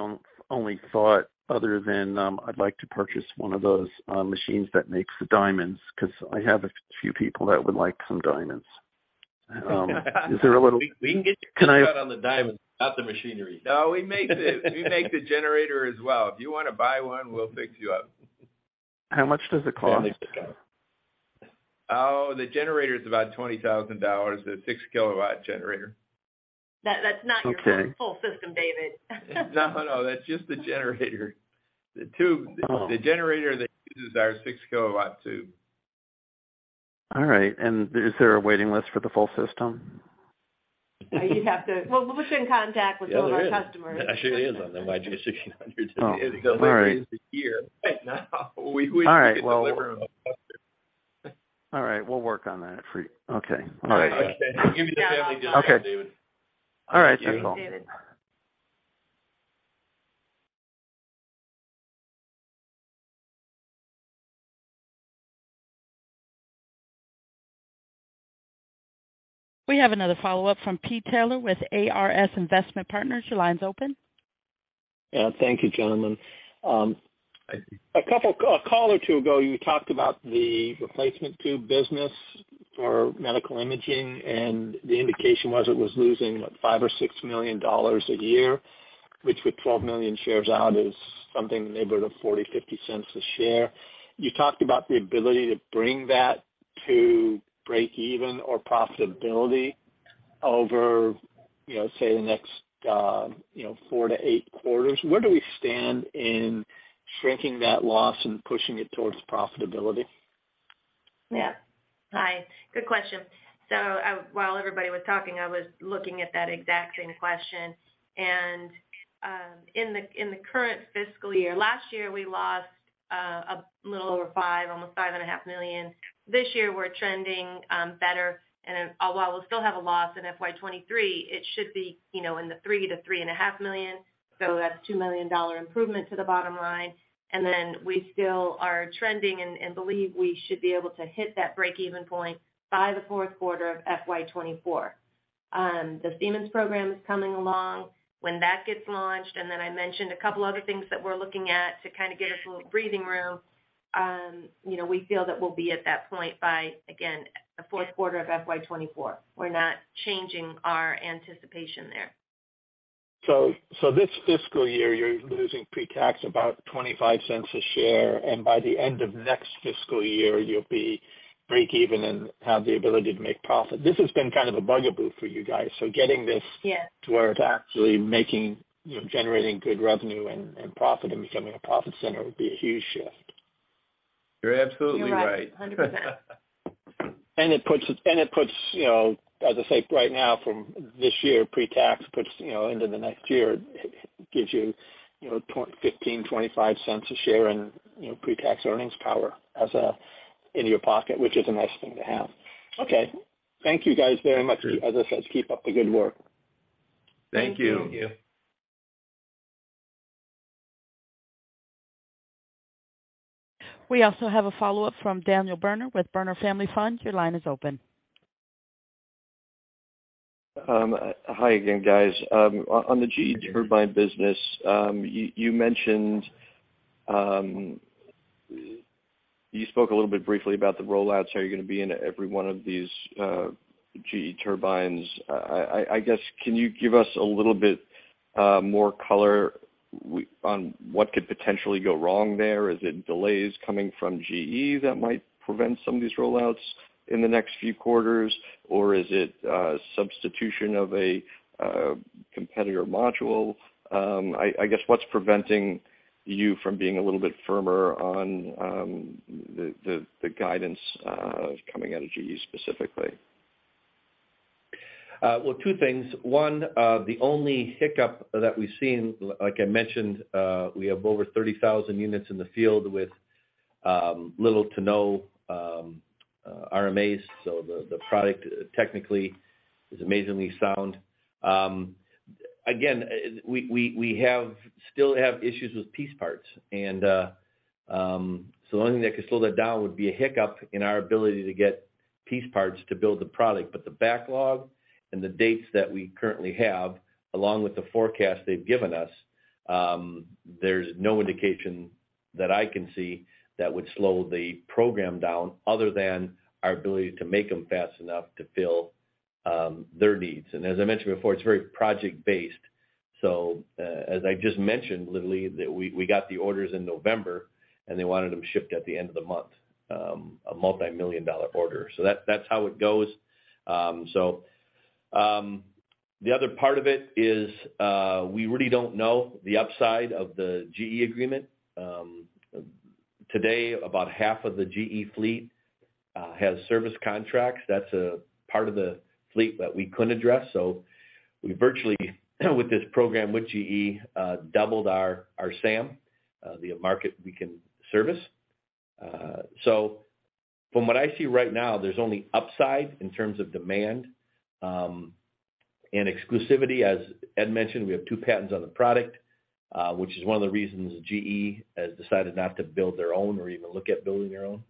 S10: only thought other than, I'd like to purchase one of those machines that makes the diamonds, 'cause I have a few people that would like some diamonds. Is there a little.
S2: We can get you.
S10: Can I?
S2: On the diamonds, not the machinery. No, we make the generator as well. If you wanna buy one, we'll fix you up.
S10: How much does it cost?
S2: Definitely discuss. Oh, the generator is about $20,000. The 6-kW generator.
S5: That's not.
S10: Okay.
S5: Your full system, David.
S2: No, no, that's just the generator. The tube.
S10: Uh-huh.
S2: The generator that uses our 6-kW tube.
S10: All right. Is there a waiting list for the full system?
S5: Well, we'll put you in contact with
S4: Yeah, there is.
S5: Some of our customers.
S4: There sure is on the YJ 1600.
S10: Oh, all right.
S2: There's a waiting list a year right now.
S10: All right.
S2: Could deliver them faster.
S10: All right, we'll work on that for you. Okay. All right.
S2: Okay. We'll give you the family discount, David.
S10: All right, that's all.
S5: Thank you, David.
S1: We have another follow-up from P. Taylor with ARS Investment Partners. Your line's open.
S13: Yeah. Thank you, gentlemen. A call or two ago, you talked about the replacement tube business for medical imaging, and the indication was it was losing, what, $5 million-$6 million a year, which with 12 million shares out is something in the neighborhood of $0.40-$0.50 a share. You talked about the ability to bring that to break even or profitability over, say, the next four to eight quarters. Where do we stand in shrinking that loss and pushing it towards profitability?
S5: Yeah. Hi. Good question. While everybody was talking, I was looking at that exact same question. In the current fiscal year, last year, we lost a little over $5 million, almost $5.5 million. This year, we're trending better. While we'll still have a loss in FY 2023, it should be, you know, in the $3 million-$3.5 million. That's a $2 million improvement to the bottom line. We still are trending and believe we should be able to hit that break-even point by the fourth quarter of FY 2024. The Siemens program is coming along when that gets launched. I mentioned a couple other things that we're looking at to kind of get us a little breathing room. You know, we feel that we'll be at that point by, again, the fourth quarter of FY 2024. We're not changing our anticipation there.
S2: This fiscal year, you're losing pre-tax about $0.25 a share, and by the end of next fiscal year, you'll be break even and have the ability to make profit. This has been kind of a bugaboo for you guys, so getting this.
S5: Yeah.
S2: To where it's actually making, you know, generating good revenue and profit and becoming a profit center would be a huge shift.
S4: You're absolutely right.
S5: You're right. 100%.
S13: It puts, you know, as I say, right now from this year, pre-tax puts, you know, into the next year, gives you know, $0.15-$0.25 a share in, you know, pre-tax earnings power as a, in your pocket, which is a nice thing to have. Okay. Thank you guys very much. As I said, keep up the good work.
S4: Thank you.
S5: Thank you.
S1: We also have a follow-up from Daniel Berner with Berner Family Fund. Your line is open.
S14: Hi again, guys. On the GE turbine business, you mentioned. You spoke a little bit briefly about the rollouts, how you're gonna be in every one of these GE turbines. I guess, can you give us a little bit more color on what could potentially go wrong there? Is it delays coming from GE that might prevent some of these rollouts in the next few quarters? Or is it substitution of a competitor module? I guess, what's preventing you from being a little bit firmer on the guidance coming out of GE specifically?
S4: Well, two things. One, the only hiccup that we've seen, like I mentioned, we have over 30,000 units in the field with little to no RMAs. The product technically is amazingly sound. Again, we still have issues with piece parts. The only thing that could slow that down would be a hiccup in our ability to get piece parts to build the product. The backlog and the dates that we currently have, along with the forecast they've given us, there's no indication that I can see that would slow the program down other than our ability to make them fast enough to fill their needs. As I mentioned before, it's very project-based. As I just mentioned, literally, that we got the orders in November, and they wanted them shipped at the end of the month, a multi-million dollar order. That's how it goes. The other part of it is, we really don't know the upside of the GE agreement. Today, about half of the GE fleet has service contracts. That's a part of the fleet that we couldn't address. We virtually, with this program with GE, doubled our SAM, the market we can service. From what I see right now, there's only upside in terms of demand, and exclusivity. As Ed mentioned, we have two patents on the product, which is one of the reasons GE has decided not to build their own or even look at building their own.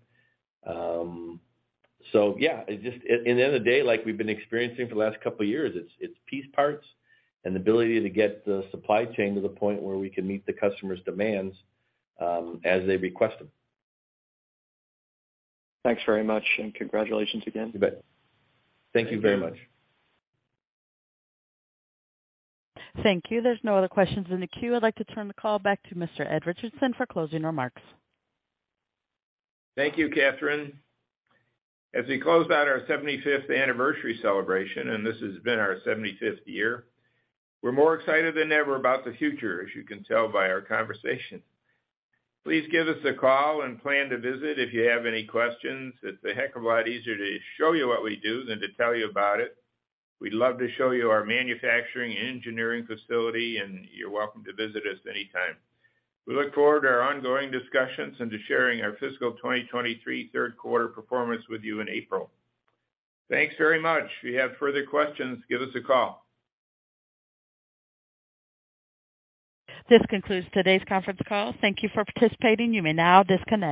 S4: It just at the end of the day, like we've been experiencing for the last couple of years, it's piece parts and the ability to get the supply chain to the point where we can meet the customer's demands as they request them.
S14: Thanks very much, and congratulations again.
S4: You bet. Thank you very much.
S1: Thank you. There's no other questions in the queue. I'd like to turn the call back to Mr. Ed Richardson for closing remarks.
S2: Thank you, Catherine. As we close out our 75th anniversary celebration, and this has been our 75th year, we're more excited than ever about the future, as you can tell by our conversation. Please give us a call and plan to visit if you have any questions. It's a heck of a lot easier to show you what we do than to tell you about it. We'd love to show you our manufacturing engineering facility, and you're welcome to visit us anytime. We look forward to our ongoing discussions and to sharing our fiscal 2023 third quarter performance with you in April. Thanks very much. If you have further questions, give us a call.
S1: This concludes today's conference call. Thank you for participating. You may now disconnect.